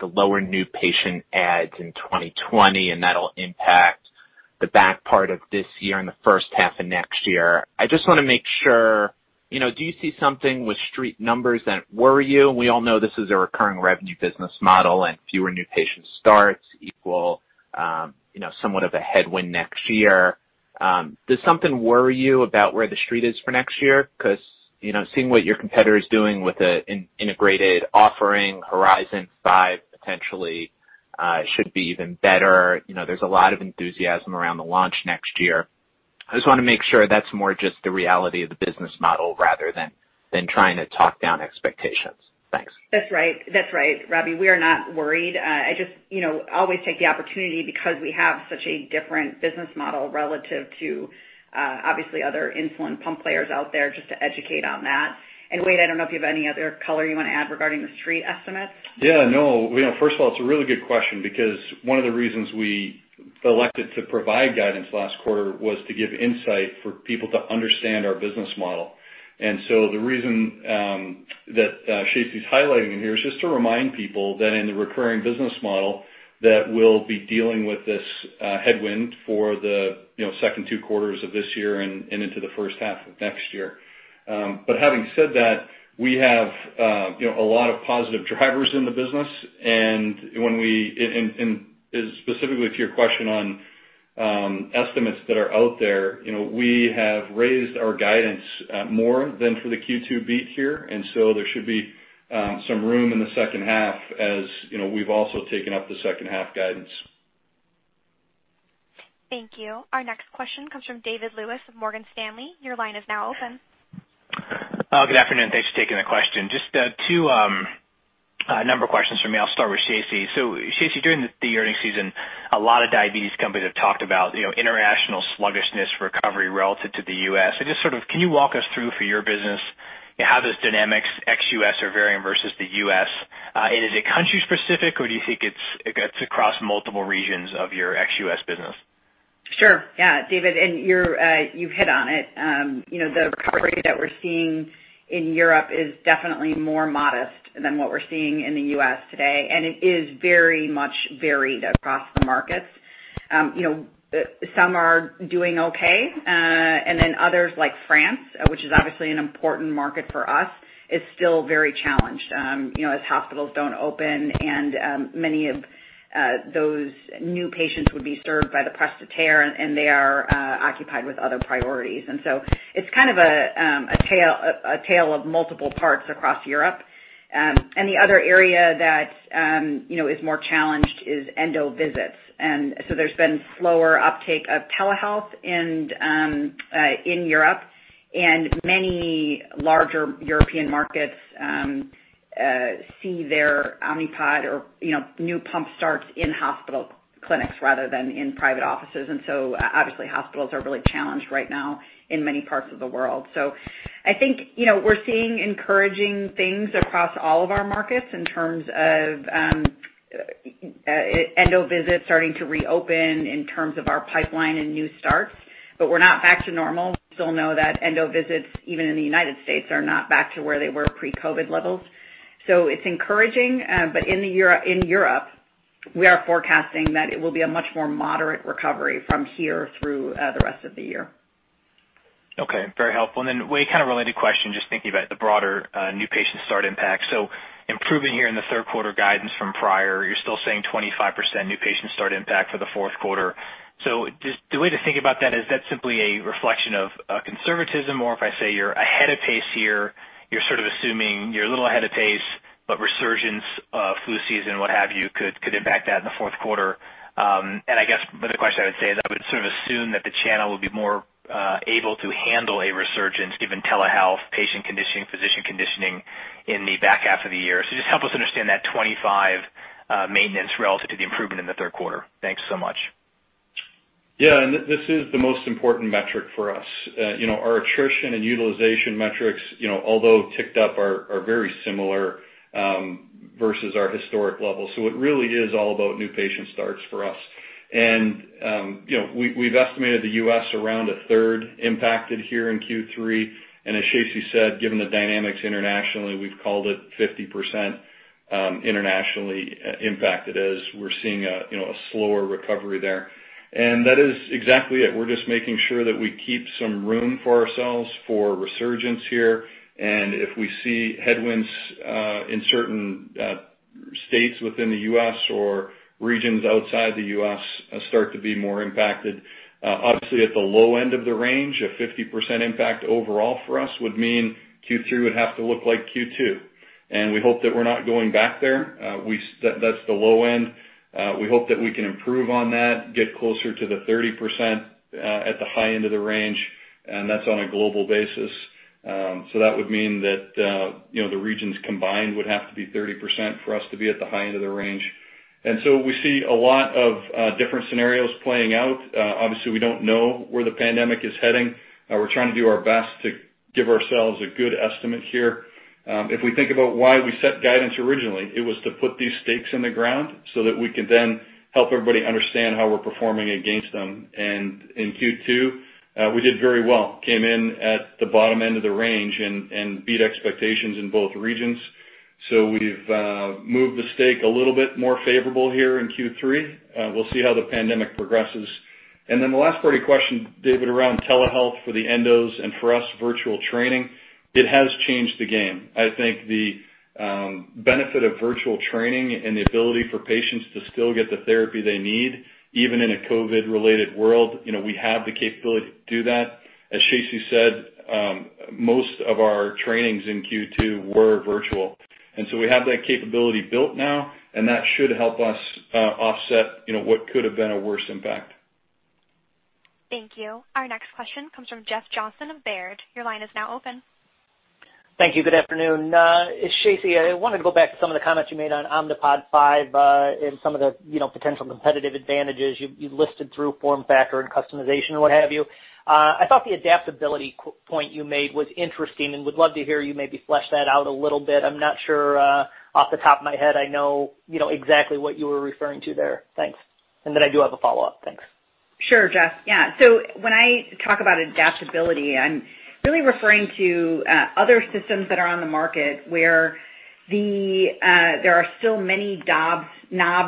the lower new patient adds in 2020 and that'll impact the back part of this year and the first half of next year, I just want to make sure. Do you see something with street numbers that worry you? We all know this is a recurring revenue business model, and fewer new patient starts equal somewhat of a headwind next year. Does something worry you about where the street is for next year? Because seeing what your competitor is doing with an integrated offering, Horizon 5 potentially should be even better. There's a lot of enthusiasm around the launch next year. I just want to make sure that's more just the reality of the business model rather than trying to talk down expectations. Thanks. That's right. That's right, Robbie. We are not worried. I just always take the opportunity because we have such a different business model relative to, obviously, other insulin pump players out there just to educate on that. And Wayde, I don't know if you have any other color you want to add regarding the street estimates. Yeah. No. First of all, it's a really good question because one of the reasons we elected to provide guidance last quarter was to give insight for people to understand our business model. And so the reason that Shacey's highlighting it here is just to remind people that in the recurring business model that we'll be dealing with this headwind for the second two quarters of this year and into the first half of next year. But having said that, we have a lot of positive drivers in the business. And specifically to your question on estimates that are out there, we have raised our guidance more than for the Q2 beat here. And so there should be some room in the second half as we've also taken up the second half guidance. Thank you. Our next question comes from David Lewis of Morgan Stanley. Your line is now open. Good afternoon. Thanks for taking the question. Just two number of questions for me. I'll start with Shacey, so Shacey, during the earnings season, a lot of diabetes companies have talked about international sluggishness recovery relative to the U.S., and just sort of can you walk us through for your business how those dynamics ex-U.S. are varying versus the U.S., and is it country-specific, or do you think it's across multiple regions of your ex-U.S. business? Sure. Yeah, David, and you've hit on it. The recovery that we're seeing in Europe is definitely more modest than what we're seeing in the U.S. today, and it is very much varied across the markets. Some are doing okay, and then others like France, which is obviously an important market for us, is still very challenged as hospitals don't open, and many of those new patients would be served by the prestataire, and they are occupied with other priorities, and so it's kind of a tale of multiple parts across Europe, and the other area that is more challenged is endo visits, and so there's been slower uptake of telehealth in Europe, and many larger European markets see their Omnipod or new pump starts in hospital clinics rather than in private offices, and so obviously, hospitals are really challenged right now in many parts of the world. So I think we're seeing encouraging things across all of our markets in terms of endo visits starting to reopen in terms of our pipeline and new starts, but we're not back to normal. We still know that endo visits, even in the United States, are not back to where they were pre-COVID levels. So it's encouraging. But in Europe, we are forecasting that it will be a much more moderate recovery from here through the rest of the year. Okay. Very helpful. And then, Wayde, kind of related question, just thinking about the broader new patient start impact. So, improving here in the third quarter guidance from prior, you're still seeing 25% new patient start impact for the fourth quarter. So, the way to think about that, is that simply a reflection of conservatism? Or, if I say you're ahead of pace here, you're sort of assuming you're a little ahead of pace, but resurgence, flu season, what have you, could impact that in the fourth quarter. And I guess the question I would say is, I would sort of assume that the channel will be more able to handle a resurgence given telehealth, patient conditioning, physician conditioning in the back half of the year. So, just help us understand that 25 maintenance relative to the improvement in the third quarter. Thanks so much. Yeah. And this is the most important metric for us. Our attrition and utilization metrics, although ticked up, are very similar versus our historic level. So it really is all about new patient starts for us. And we've estimated the U.S. around a third impacted here in Q3. And as Shacey said, given the dynamics internationally, we've called it 50% internationally impacted as we're seeing a slower recovery there. And that is exactly it. We're just making sure that we keep some room for ourselves for resurgence here. And if we see headwinds in certain states within the U.S. or regions outside the U.S. start to be more impacted, obviously, at the low end of the range, a 50% impact overall for us would mean Q3 would have to look like Q2. And we hope that we're not going back there. That's the low end. We hope that we can improve on that, get closer to the 30% at the high end of the range, and that's on a global basis, so that would mean that the regions combined would have to be 30% for us to be at the high end of the range, and so we see a lot of different scenarios playing out. Obviously, we don't know where the pandemic is heading. We're trying to do our best to give ourselves a good estimate here. If we think about why we set guidance originally, it was to put these stakes in the ground so that we can then help everybody understand how we're performing against them, and in Q2, we did very well, came in at the bottom end of the range and beat expectations in both regions, so we've moved the stake a little bit more favorable here in Q3. We'll see how the pandemic progresses. And then the last part of your question, David, around telehealth for the endos and for us, virtual training, it has changed the game. I think the benefit of virtual training and the ability for patients to still get the therapy they need, even in a COVID-related world, we have the capability to do that. As Shacey said, most of our trainings in Q2 were virtual. And so we have that capability built now, and that should help us offset what could have been a worse impact. Thank you. Our next question comes from Jeff Johnson of Baird. Your line is now open. Thank you. Good afternoon. Shacey, I wanted to go back to some of the comments you made on Omnipod 5 and some of the potential competitive advantages you listed through form factor and customization and what have you. I thought the adaptability point you made was interesting and would love to hear you maybe flesh that out a little bit. I'm not sure off the top of my head I know exactly what you were referring to there. Thanks. And then I do have a follow-up. Thanks. Sure, Jeff. Yeah. So when I talk about adaptability, I'm really referring to other systems that are on the market where there are still many knobs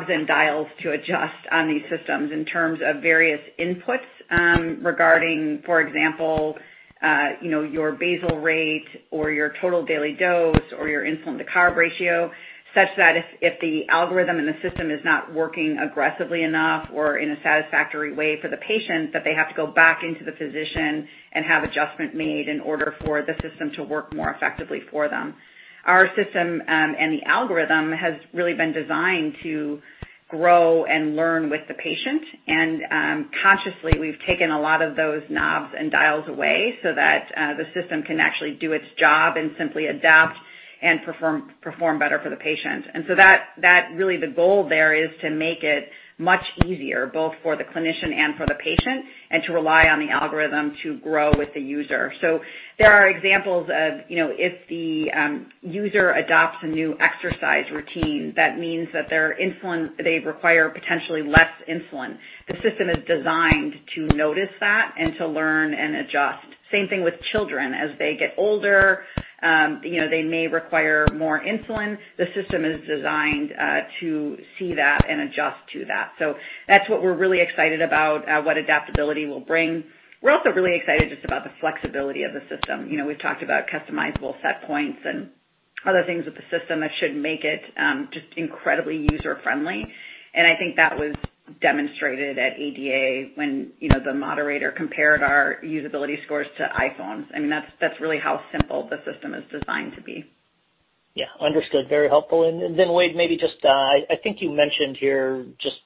and dials to adjust on these systems in terms of various inputs regarding, for example, your basal rate or your total daily dose or your insulin-to-carb ratio, such that if the algorithm in the system is not working aggressively enough or in a satisfactory way for the patient, that they have to go back into the physician and have adjustment made in order for the system to work more effectively for them. Our system and the algorithm has really been designed to grow and learn with the patient. And consciously, we've taken a lot of those knobs and dials away so that the system can actually do its job and simply adapt and perform better for the patient. And so really the goal there is to make it much easier both for the clinician and for the patient and to rely on the algorithm to grow with the user. So there are examples of if the user adopts a new exercise routine, that means that they require potentially less insulin. The system is designed to notice that and to learn and adjust. Same thing with children. As they get older, they may require more insulin. The system is designed to see that and adjust to that. So that's what we're really excited about, what adaptability will bring. We're also really excited just about the flexibility of the system. We've talked about customizable set points and other things with the system that should make it just incredibly user-friendly. And I think that was demonstrated at ADA when the moderator compared our usability scores to iPhones. I mean, that's really how simple the system is designed to be. Yeah. Understood. Very helpful. And then Wayde, maybe just I think you mentioned here just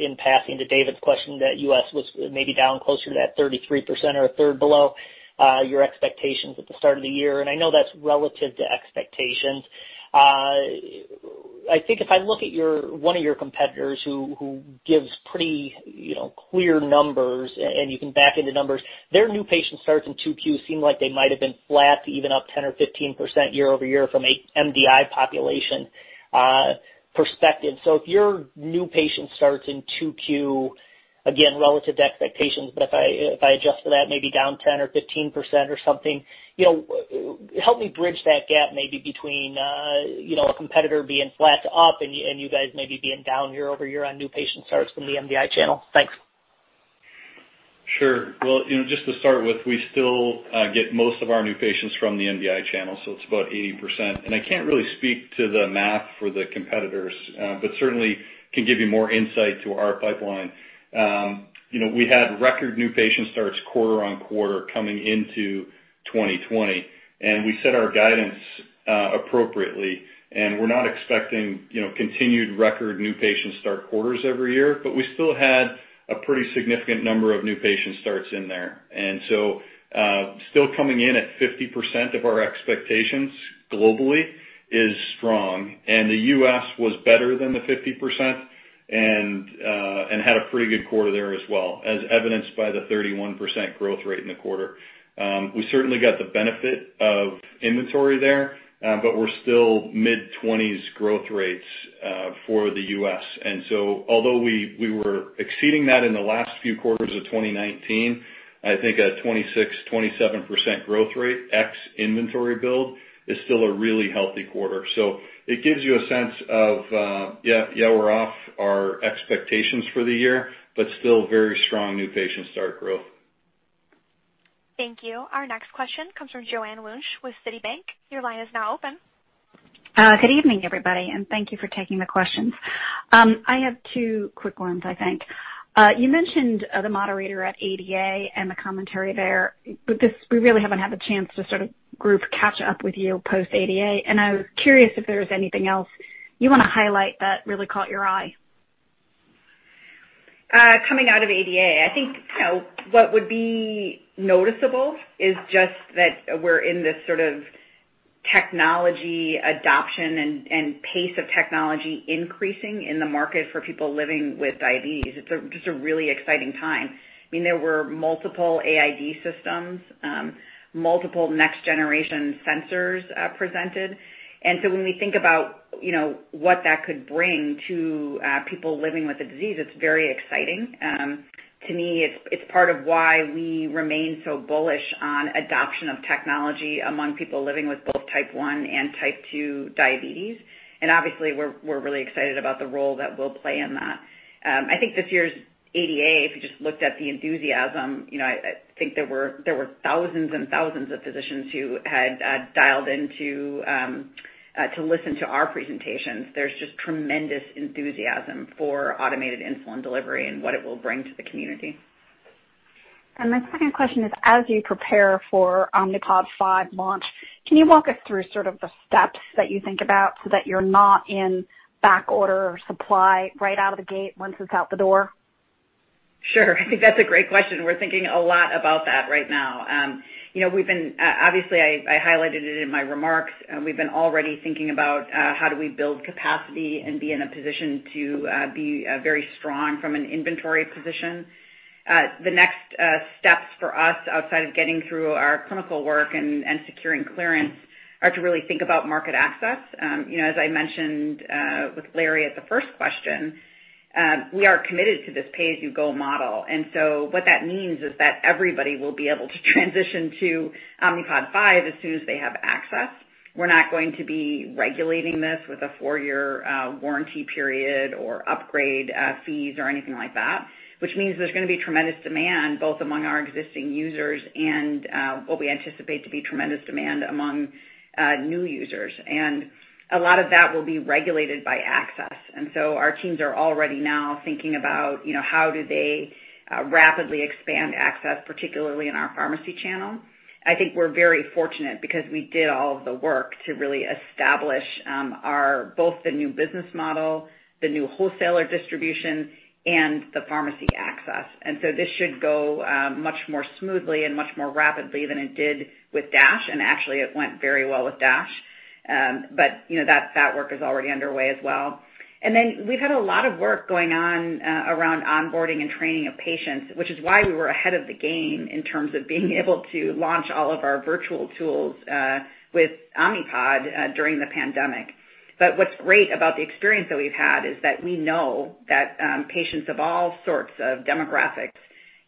in passing to David's question that U.S. was maybe down closer to that 33% or a third below your expectations at the start of the year. And I know that's relative to expectations. I think if I look at one of your competitors who gives pretty clear numbers, and you can back into numbers, their new patient starts in Q2 seemed like they might have been flat, even up 10% or 15% year-over-year from an MDI population perspective. So if your new patient starts in Q2, again, relative to expectations, but if I adjust for that, maybe down 10% or 15% or something, help me bridge that gap maybe between a competitor being flat to up and you guys maybe being down year-over-year on new patient starts from the MDI channel. Thanks. Sure. Well, just to start with, we still get most of our new patients from the MDI channel, so it's about 80%. And I can't really speak to the math for the competitors, but certainly can give you more insight to our pipeline. We had record new patient starts quarter on quarter coming into 2020, and we set our guidance appropriately. And we're not expecting continued record new patient start quarters every year, but we still had a pretty significant number of new patient starts in there. And so still coming in at 50% of our expectations globally is strong. And the U.S. was better than the 50% and had a pretty good quarter there as well, as evidenced by the 31% growth rate in the quarter. We certainly got the benefit of inventory there, but we're still mid-20s growth rates for the U.S. And so although we were exceeding that in the last few quarters of 2019, I think a 26%-27% growth rate ex-inventory build is still a really healthy quarter. So it gives you a sense of, yeah, we're off our expectations for the year, but still very strong new patient start growth. Thank you. Our next question comes from Joanne Wuensch with Citibank. Your line is now open. Good evening, everybody, and thank you for taking the questions. I have two quick ones, I think. You mentioned the moderator at ADA and the commentary there, but we really haven't had the chance to sort of group catch up with you post-ADA. And I was curious if there was anything else you want to highlight that really caught your eye. Coming out of ADA, I think what would be noticeable is just that we're in this sort of technology adoption and pace of technology increasing in the market for people living with diabetes. It's just a really exciting time. I mean, there were multiple AID systems, multiple next-generation sensors presented. And so when we think about what that could bring to people living with the disease, it's very exciting. To me, it's part of why we remain so bullish on adoption of technology among people living with both type 1 and type 2 diabetes. And obviously, we're really excited about the role that we'll play in that. I think this year's ADA, if you just looked at the enthusiasm, I think there were thousands and thousands of physicians who had dialed in to listen to our presentations. There's just tremendous enthusiasm for automated insulin delivery and what it will bring to the community. My second question is, as you prepare for Omnipod 5 launch, can you walk us through sort of the steps that you think about so that you're not in backorder supply right out of the gate once it's out the door? Sure. I think that's a great question. We're thinking a lot about that right now. Obviously, I highlighted it in my remarks. We've been already thinking about how do we build capacity and be in a position to be very strong from an inventory position. The next steps for us, outside of getting through our clinical work and securing clearance, are to really think about market access. As I mentioned with Larry at the first question, we are committed to this pay-as-you-go model. And so what that means is that everybody will be able to transition to Omnipod 5 as soon as they have access. We're not going to be regulating this with a four-year warranty period or upgrade fees or anything like that, which means there's going to be tremendous demand both among our existing users and what we anticipate to be tremendous demand among new users. And a lot of that will be regulated by access. And so our teams are already now thinking about how do they rapidly expand access, particularly in our pharmacy channel. I think we're very fortunate because we did all of the work to really establish both the new business model, the new wholesaler distribution, and the pharmacy access. And so this should go much more smoothly and much more rapidly than it did with DASH. And actually, it went very well with DASH, but that work is already underway as well. And then we've had a lot of work going on around onboarding and training of patients, which is why we were ahead of the game in terms of being able to launch all of our virtual tools with Omnipod during the pandemic. But what's great about the experience that we've had is that we know that patients of all sorts of demographics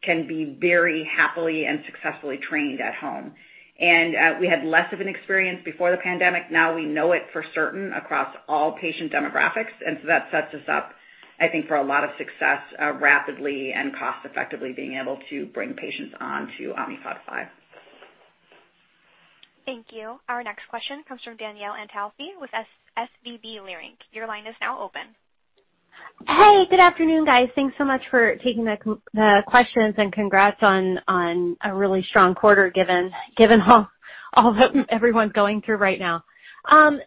can be very happily and successfully trained at home. And we had less of an experience before the pandemic. Now we know it for certain across all patient demographics. And so that sets us up, I think, for a lot of success rapidly and cost-effectively being able to bring patients on to Omnipod 5. Thank you. Our next question comes from Danielle Antalffy with SVB Leerink. Your line is now open. Hey, good afternoon, guys. Thanks so much for taking the questions and congrats on a really strong quarter given all that everyone's going through right now.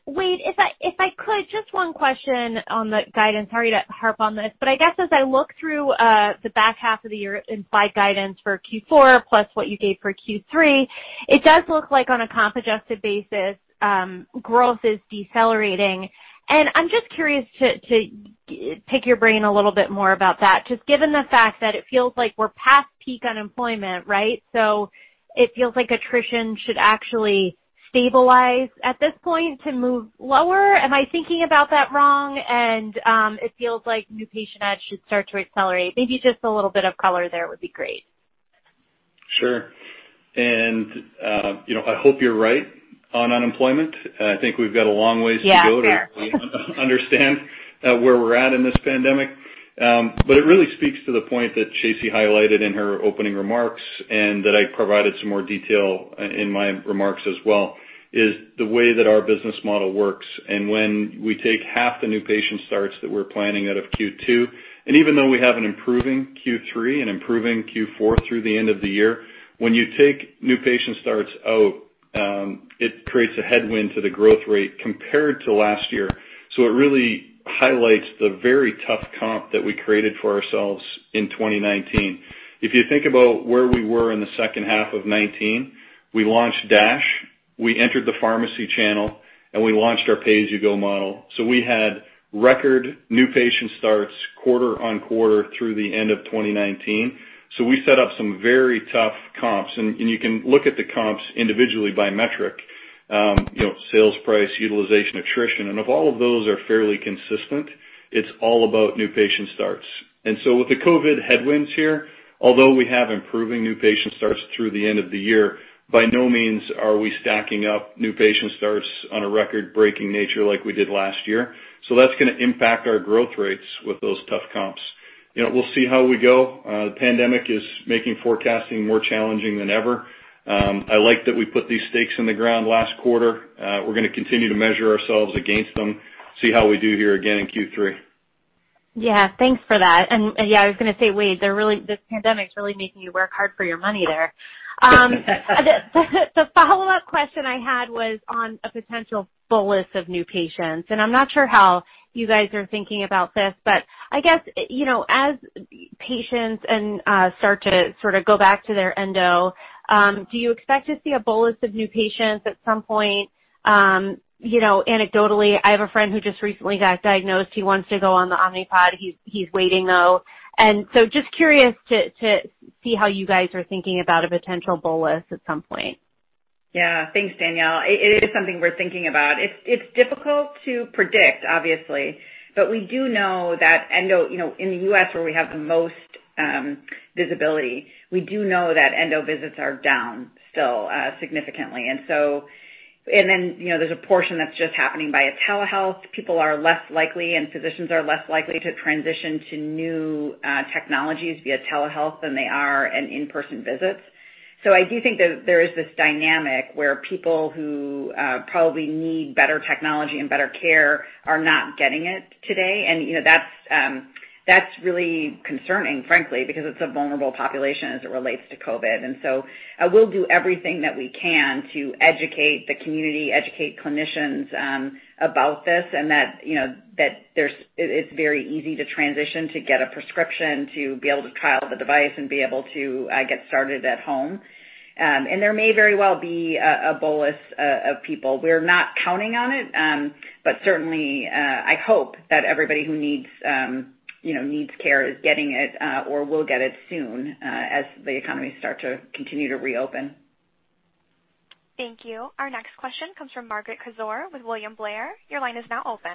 Wayde, if I could, just one question on the guidance. Sorry to harp on this, but I guess as I look through the back half of the year implied guidance for Q4 plus what you gave for Q3, it does look like on a comp-adjusted basis, growth is decelerating, and I'm just curious to pick your brain a little bit more about that, just given the fact that it feels like we're past peak unemployment, right? So it feels like attrition should actually stabilize at this point to move lower. Am I thinking about that wrong, and it feels like new patient adds should start to accelerate. Maybe just a little bit of color there would be great. Sure. And I hope you're right on unemployment. I think we've got a long ways to go to actually understand where we're at in this pandemic. But it really speaks to the point that Shacey highlighted in her opening remarks, and that I provided some more detail in my remarks as well, is the way that our business model works. And when we take half the new patient starts that we're planning out of Q2, and even though we have an improving Q3 and improving Q4 through the end of the year, when you take new patient starts out, it creates a headwind to the growth rate compared to last year. So it really highlights the very tough comp that we created for ourselves in 2019. If you think about where we were in the second half of 2019, we launched DASH, we entered the pharmacy channel, and we launched our pay-as-you-go model. So we had record new patient starts quarter on quarter through the end of 2019. So we set up some very tough comps. And you can look at the comps individually by metric: sales price, utilization, attrition. And if all of those are fairly consistent, it's all about new patient starts. And so with the COVID headwinds here, although we have improving new patient starts through the end of the year, by no means are we stacking up new patient starts on a record-breaking nature like we did last year. So that's going to impact our growth rates with those tough comps. We'll see how we go. The pandemic is making forecasting more challenging than ever. I like that we put these stakes in the ground last quarter. We're going to continue to measure ourselves against them. See how we do here again in Q3. Yeah. Thanks for that. And yeah, I was going to say, Wayde, this pandemic is really making you work hard for your money there. The follow-up question I had was on a potential bolus of new patients. And I'm not sure how you guys are thinking about this, but I guess as patients start to sort of go back to their endo, do you expect to see a bolus of new patients at some point? Anecdotally, I have a friend who just recently got diagnosed. He wants to go on the Omnipod. He's waiting, though. And so just curious to see how you guys are thinking about a potential bolus at some point. Yeah. Thanks, Danielle. It is something we're thinking about. It's difficult to predict, obviously, but we do know that endo in the U.S., where we have the most visibility, we do know that endo visits are down still significantly. And then there's a portion that's just happening by telehealth. People are less likely, and physicians are less likely to transition to new technologies via telehealth than they are in-person visits. So I do think that there is this dynamic where people who probably need better technology and better care are not getting it today. And that's really concerning, frankly, because it's a vulnerable population as it relates to COVID. And so we'll do everything that we can to educate the community, educate clinicians about this, and that it's very easy to transition to get a prescription, to be able to trial the device, and be able to get started at home. And there may very well be a bolus of people. We're not counting on it, but certainly, I hope that everybody who needs care is getting it or will get it soon, as the economy starts to continue to reopen. Thank you. Our next question comes from Margaret Kaczor with William Blair. Your line is now open.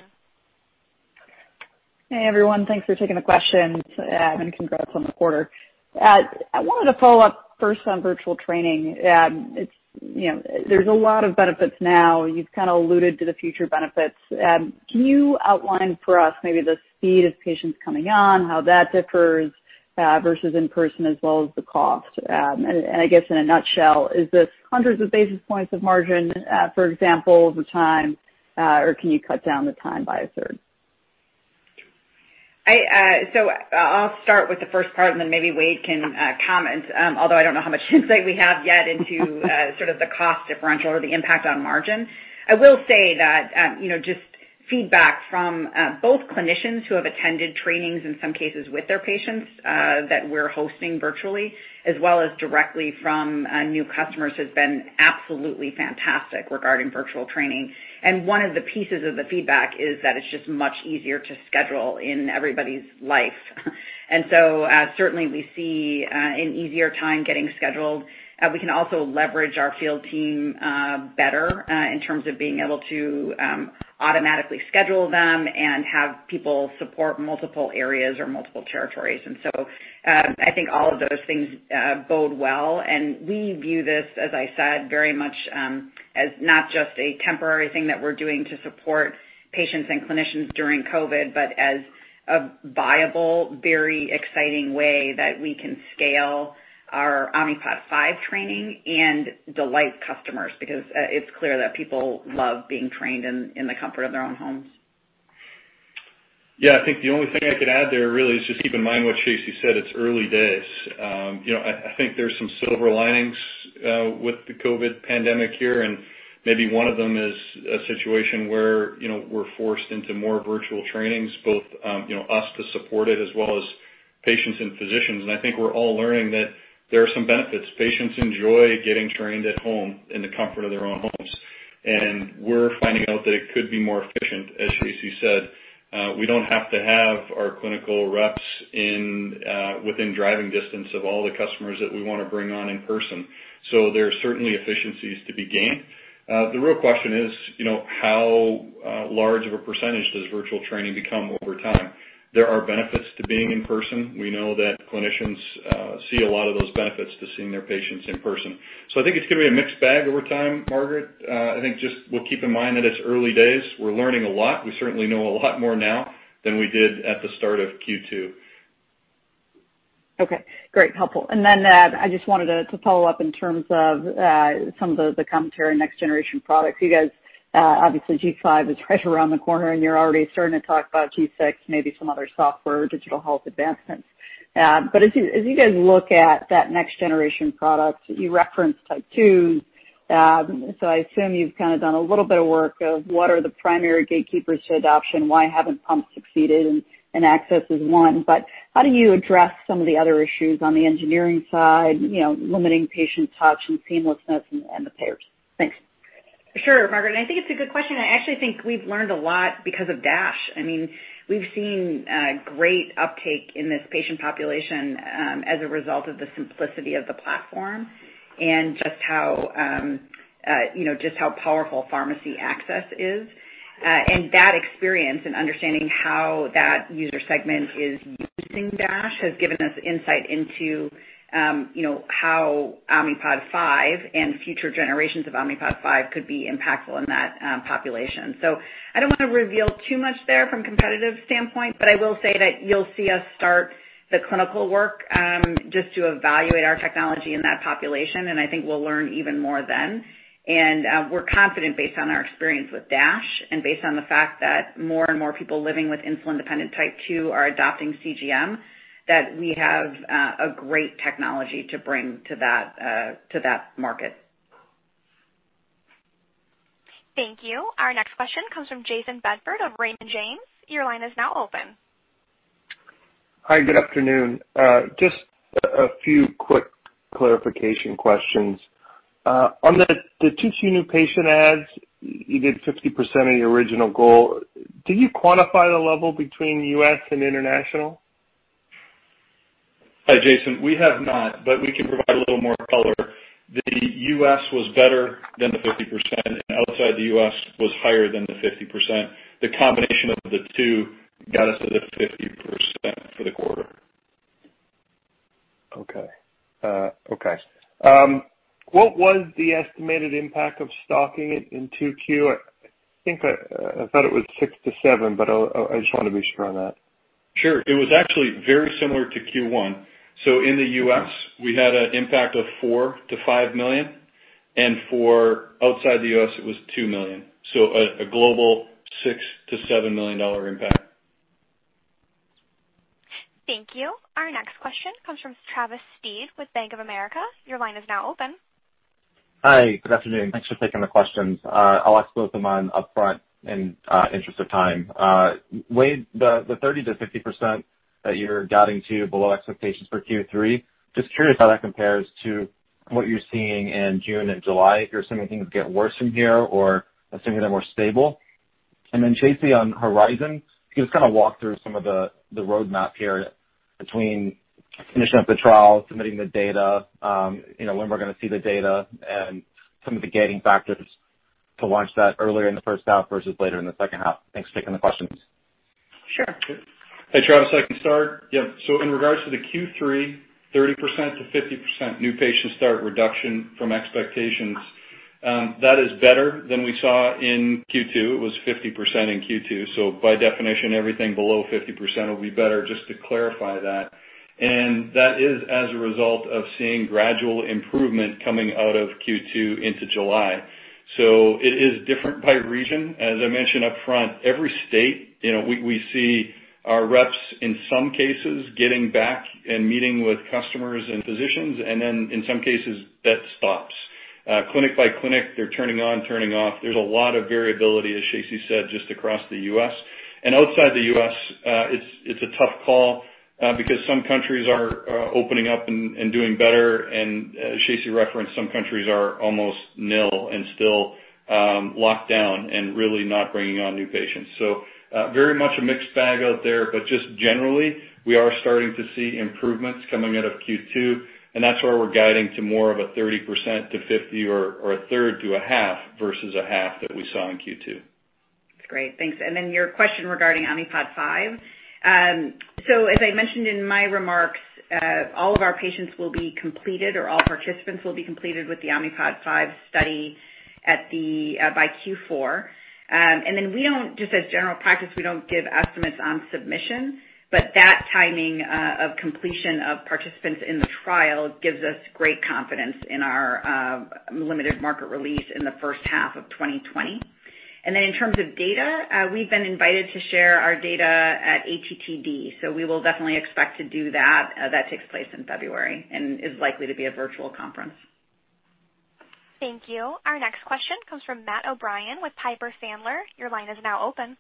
Hey, everyone. Thanks for taking the question and congrats on the quarter. I wanted to follow up first on virtual training. There's a lot of benefits now. You've kind of alluded to the future benefits. Can you outline for us maybe the speed of patients coming on, how that differs versus in-person, as well as the cost, and I guess in a nutshell, is this hundreds of basis points of margin, for example, over time, or can you cut down the time by a third? So I'll start with the first part, and then maybe Wayde can comment, although I don't know how much insight we have yet into sort of the cost differential or the impact on margin. I will say that just feedback from both clinicians who have attended trainings, in some cases with their patients, that we're hosting virtually, as well as directly from new customers, has been absolutely fantastic regarding virtual training. And one of the pieces of the feedback is that it's just much easier to schedule in everybody's life. And so certainly, we see an easier time getting scheduled. We can also leverage our field team better in terms of being able to automatically schedule them and have people support multiple areas or multiple territories. And so I think all of those things bode well. And we view this, as I said, very much as not just a temporary thing that we're doing to support patients and clinicians during COVID, but as a viable, very exciting way that we can scale our Omnipod 5 training and delight customers because it's clear that people love being trained in the comfort of their own homes. Yeah. I think the only thing I could add there really is just keep in mind what Shacey said. It's early days. I think there's some silver linings with the COVID pandemic here, and maybe one of them is a situation where we're forced into more virtual trainings, both us to support it as well as patients and physicians. And I think we're all learning that there are some benefits. Patients enjoy getting trained at home in the comfort of their own homes. And we're finding out that it could be more efficient, as Shacey said. We don't have to have our clinical reps within driving distance of all the customers that we want to bring on in person. So there are certainly efficiencies to be gained. The real question is how large of a percentage does virtual training become over time? There are benefits to being in person. We know that clinicians see a lot of those benefits to seeing their patients in person. So I think it's going to be a mixed bag over time, Margaret. I think just we'll keep in mind that it's early days. We're learning a lot. We certainly know a lot more now than we did at the start of Q2. Okay. Great. Helpful. And then I just wanted to follow up in terms of some of the commentary on next-generation products. Obviously, G5 is right around the corner, and you're already starting to talk about G6, maybe some other software or digital health advancements. But as you guys look at that next-generation product, you referenced type 2s. So I assume you've kind of done a little bit of work of what are the primary gatekeepers to adoption, why haven't pumps succeeded, and access is one. But how do you address some of the other issues on the engineering side, limiting patient touch and seamlessness and the payers? Thanks. Sure, Margaret. And I think it's a good question. I actually think we've learned a lot because of DASH. I mean, we've seen great uptake in this patient population as a result of the simplicity of the platform and just how powerful pharmacy access is. And that experience and understanding how that user segment is using DASH has given us insight into how Omnipod 5 and future generations of Omnipod 5 could be impactful in that population. So I don't want to reveal too much there from a competitive standpoint, but I will say that you'll see us start the clinical work just to evaluate our technology in that population. And I think we'll learn even more then. We're confident based on our experience with DASH and based on the fact that more and more people living with insulin-dependent type 2 are adopting CGM, that we have a great technology to bring to that market. Thank you. Our next question comes from Jayson Bedford of Raymond James. Your line is now open. Hi. Good afternoon. Just a few quick clarification questions. On the 22 new patient adds, you did 50% of your original goal. Do you quantify the level between U.S. and international? Hi, Jayson. We have not, but we can provide a little more color. The U.S. was better than the 50%, and outside the U.S. was higher than the 50%. The combination of the two got us to the 50% for the quarter. Okay. Okay. What was the estimated impact of stocking it in 2Q? I thought it was $6 million-$7 million, but I just want to be sure on that. Sure. It was actually very similar to Q1. So in the U.S., we had an impact of $4-$5 million. And for outside the U.S., it was $2 million. So a global $6-$7 million impact. Thank you. Our next question comes from Travis Steed with Bank of America. Your line is now open. Hi. Good afternoon. Thanks for taking the questions. I'll ask both of them upfront in interest of time. Wayde, the 30%-50% that you're getting to below expectations for Q3, just curious how that compares to what you're seeing in June and July, if you're assuming things get worse from here or assuming they're more stable? And then Shacey on Horizon, could you just kind of walk through some of the roadmap here between finishing up the trial, submitting the data, when we're going to see the data, and some of the gating factors to launch that earlier in the first half versus later in the second half? Thanks for taking the questions. Sure. Hey, Travis, I can start. Yeah. So in regards to the Q3 30%-50% new patient start reduction from expectations, that is better than we saw in Q2. It was 50% in Q2. So by definition, everything below 50% will be better, just to clarify that and that is as a result of seeing gradual improvement coming out of Q2 into July. So it is different by region. As I mentioned upfront, every state, we see our reps in some cases getting back and meeting with customers and physicians, and then in some cases, that stops. Clinic by clinic, they're turning on, turning off. There's a lot of variability, as Shacey said, just across the U.S. and outside the U.S., it's a tough call because some countries are opening up and doing better. And Shacey referenced some countries are almost nil and still locked down and really not bringing on new patients. So very much a mixed bag out there, but just generally, we are starting to see improvements coming out of Q2, and that's where we're guiding to more of a 30%-50% or a third to a half versus a half that we saw in Q2. That's great. Thanks, and then your question regarding Omnipod 5. So, as I mentioned in my remarks, all of our patients will be completed or all participants will be completed with the Omnipod 5 study by Q4. And then, just as general practice, we don't give estimates on submission, but that timing of completion of participants in the trial gives us great confidence in our limited market release in the first half of 2020. And then in terms of data, we've been invited to share our data at ATTD. So we will definitely expect to do that. That takes place in February and is likely to be a virtual conference. Thank you. Our next question comes from Matt O'Brien with Piper Sandler. Your line is now open.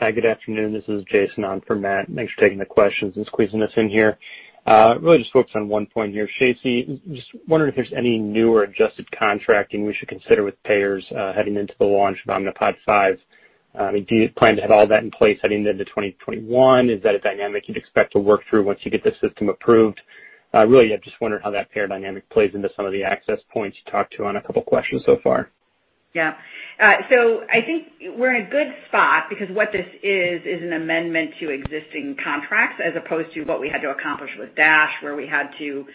Hi. Good afternoon. This is Jason on for Matt. Thanks for taking the questions and squeezing us in here. Really just focus on one point here. Shacey, just wondering if there's any new or adjusted contracting we should consider with payers heading into the launch of Omnipod 5. Do you plan to have all that in place heading into 2021? Is that a dynamic you'd expect to work through once you get the system approved? Really, I just wondered how that payer dynamic plays into some of the access points you talked to on a couple of questions so far. Yeah. So I think we're in a good spot because what this is, is an amendment to existing contracts as opposed to what we had to accomplish with DASH, where we had to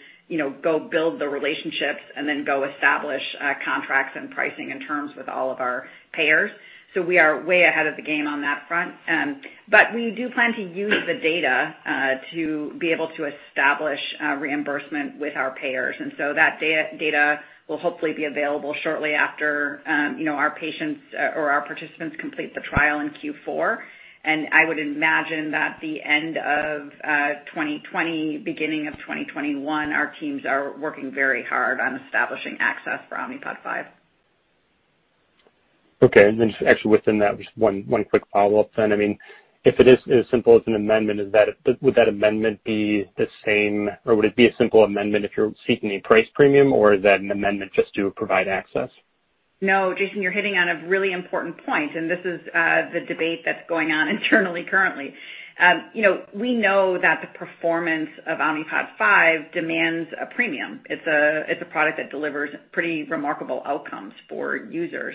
go build the relationships and then go establish contracts and pricing and terms with all of our payers. So we are way ahead of the game on that front. But we do plan to use the data to be able to establish reimbursement with our payers. And so that data will hopefully be available shortly after our patients or our participants complete the trial in Q4. And I would imagine that the end of 2020, beginning of 2021, our teams are working very hard on establishing access for Omnipod 5. Okay. And then actually within that, just one quick follow-up then. I mean, if it is as simple as an amendment, would that amendment be the same or would it be a simple amendment if you're seeking a price premium, or is that an amendment just to provide access? No, Jason, you're hitting on a really important point, and this is the debate that's going on internally currently. We know that the performance of Omnipod 5 demands a premium. It's a product that delivers pretty remarkable outcomes for users.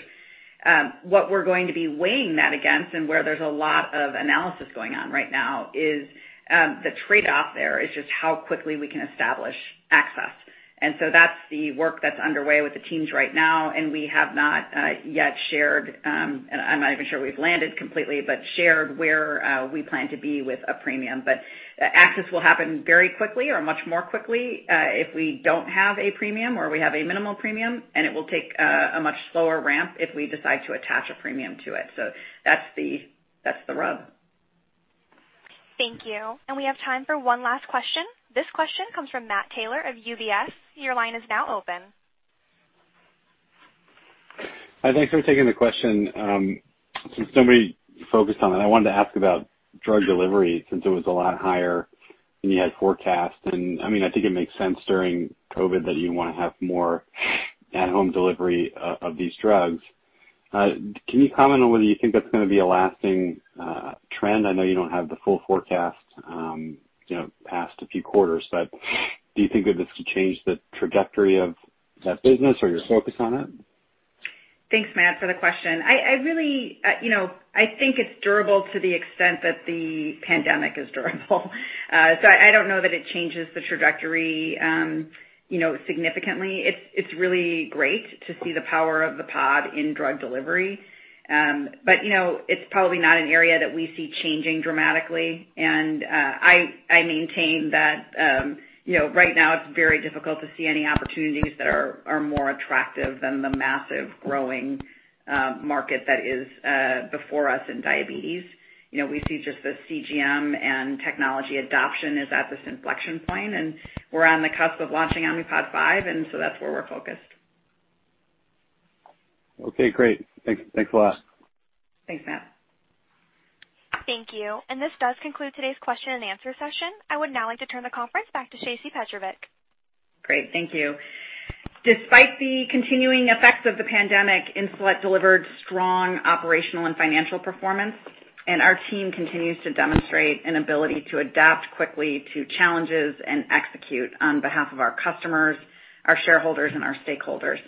What we're going to be weighing that against and where there's a lot of analysis going on right now is the trade-off there is just how quickly we can establish access. And so that's the work that's underway with the teams right now, and we have not yet shared, I'm not even sure we've landed completely, but shared where we plan to be with a premium. But access will happen very quickly or much more quickly if we don't have a premium or we have a minimal premium, and it will take a much slower ramp if we decide to attach a premium to it. So that's the rub. Thank you. And we have time for one last question. This question comes from Matt Taylor of UBS. Your line is now open. Hi. Thanks for taking the question. Since nobody focused on it, I wanted to ask about drug delivery since it was a lot higher than you had forecast. And I mean, I think it makes sense during COVID that you want to have more at-home delivery of these drugs. Can you comment on whether you think that's going to be a lasting trend? I know you don't have the full forecast past a few quarters, but do you think that this could change the trajectory of that business or your focus on it? Thanks, Matt, for the question. I think it's durable to the extent that the pandemic is durable, so I don't know that it changes the trajectory significantly. It's really great to see the power of the pod in drug delivery, but it's probably not an area that we see changing dramatically, and I maintain that right now, it's very difficult to see any opportunities that are more attractive than the massive growing market that is before us in diabetes. We see just the CGM and technology adoption is at this inflection point, and we're on the cusp of launching Omnipod 5, and so that's where we're focused. Okay. Great. Thanks a lot. Thanks, Matt. Thank you. And this does conclude today's question-and-answer session. I would now like to turn the conference back to Shacey Petrovic. Great. Thank you. Despite the continuing effects of the pandemic, Insulet delivered strong operational and financial performance, and our team continues to demonstrate an ability to adapt quickly to challenges and execute on behalf of our customers, our shareholders, and our stakeholders.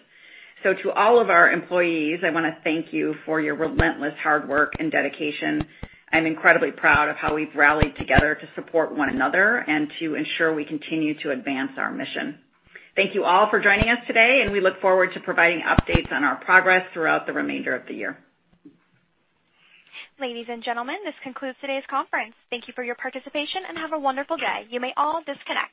So to all of our employees, I want to thank you for your relentless hard work and dedication. I'm incredibly proud of how we've rallied together to support one another and to ensure we continue to advance our mission. Thank you all for joining us today, and we look forward to providing updates on our progress throughout the remainder of the year. Ladies and gentlemen, this concludes today's conference. Thank you for your participation and have a wonderful day. You may all disconnect.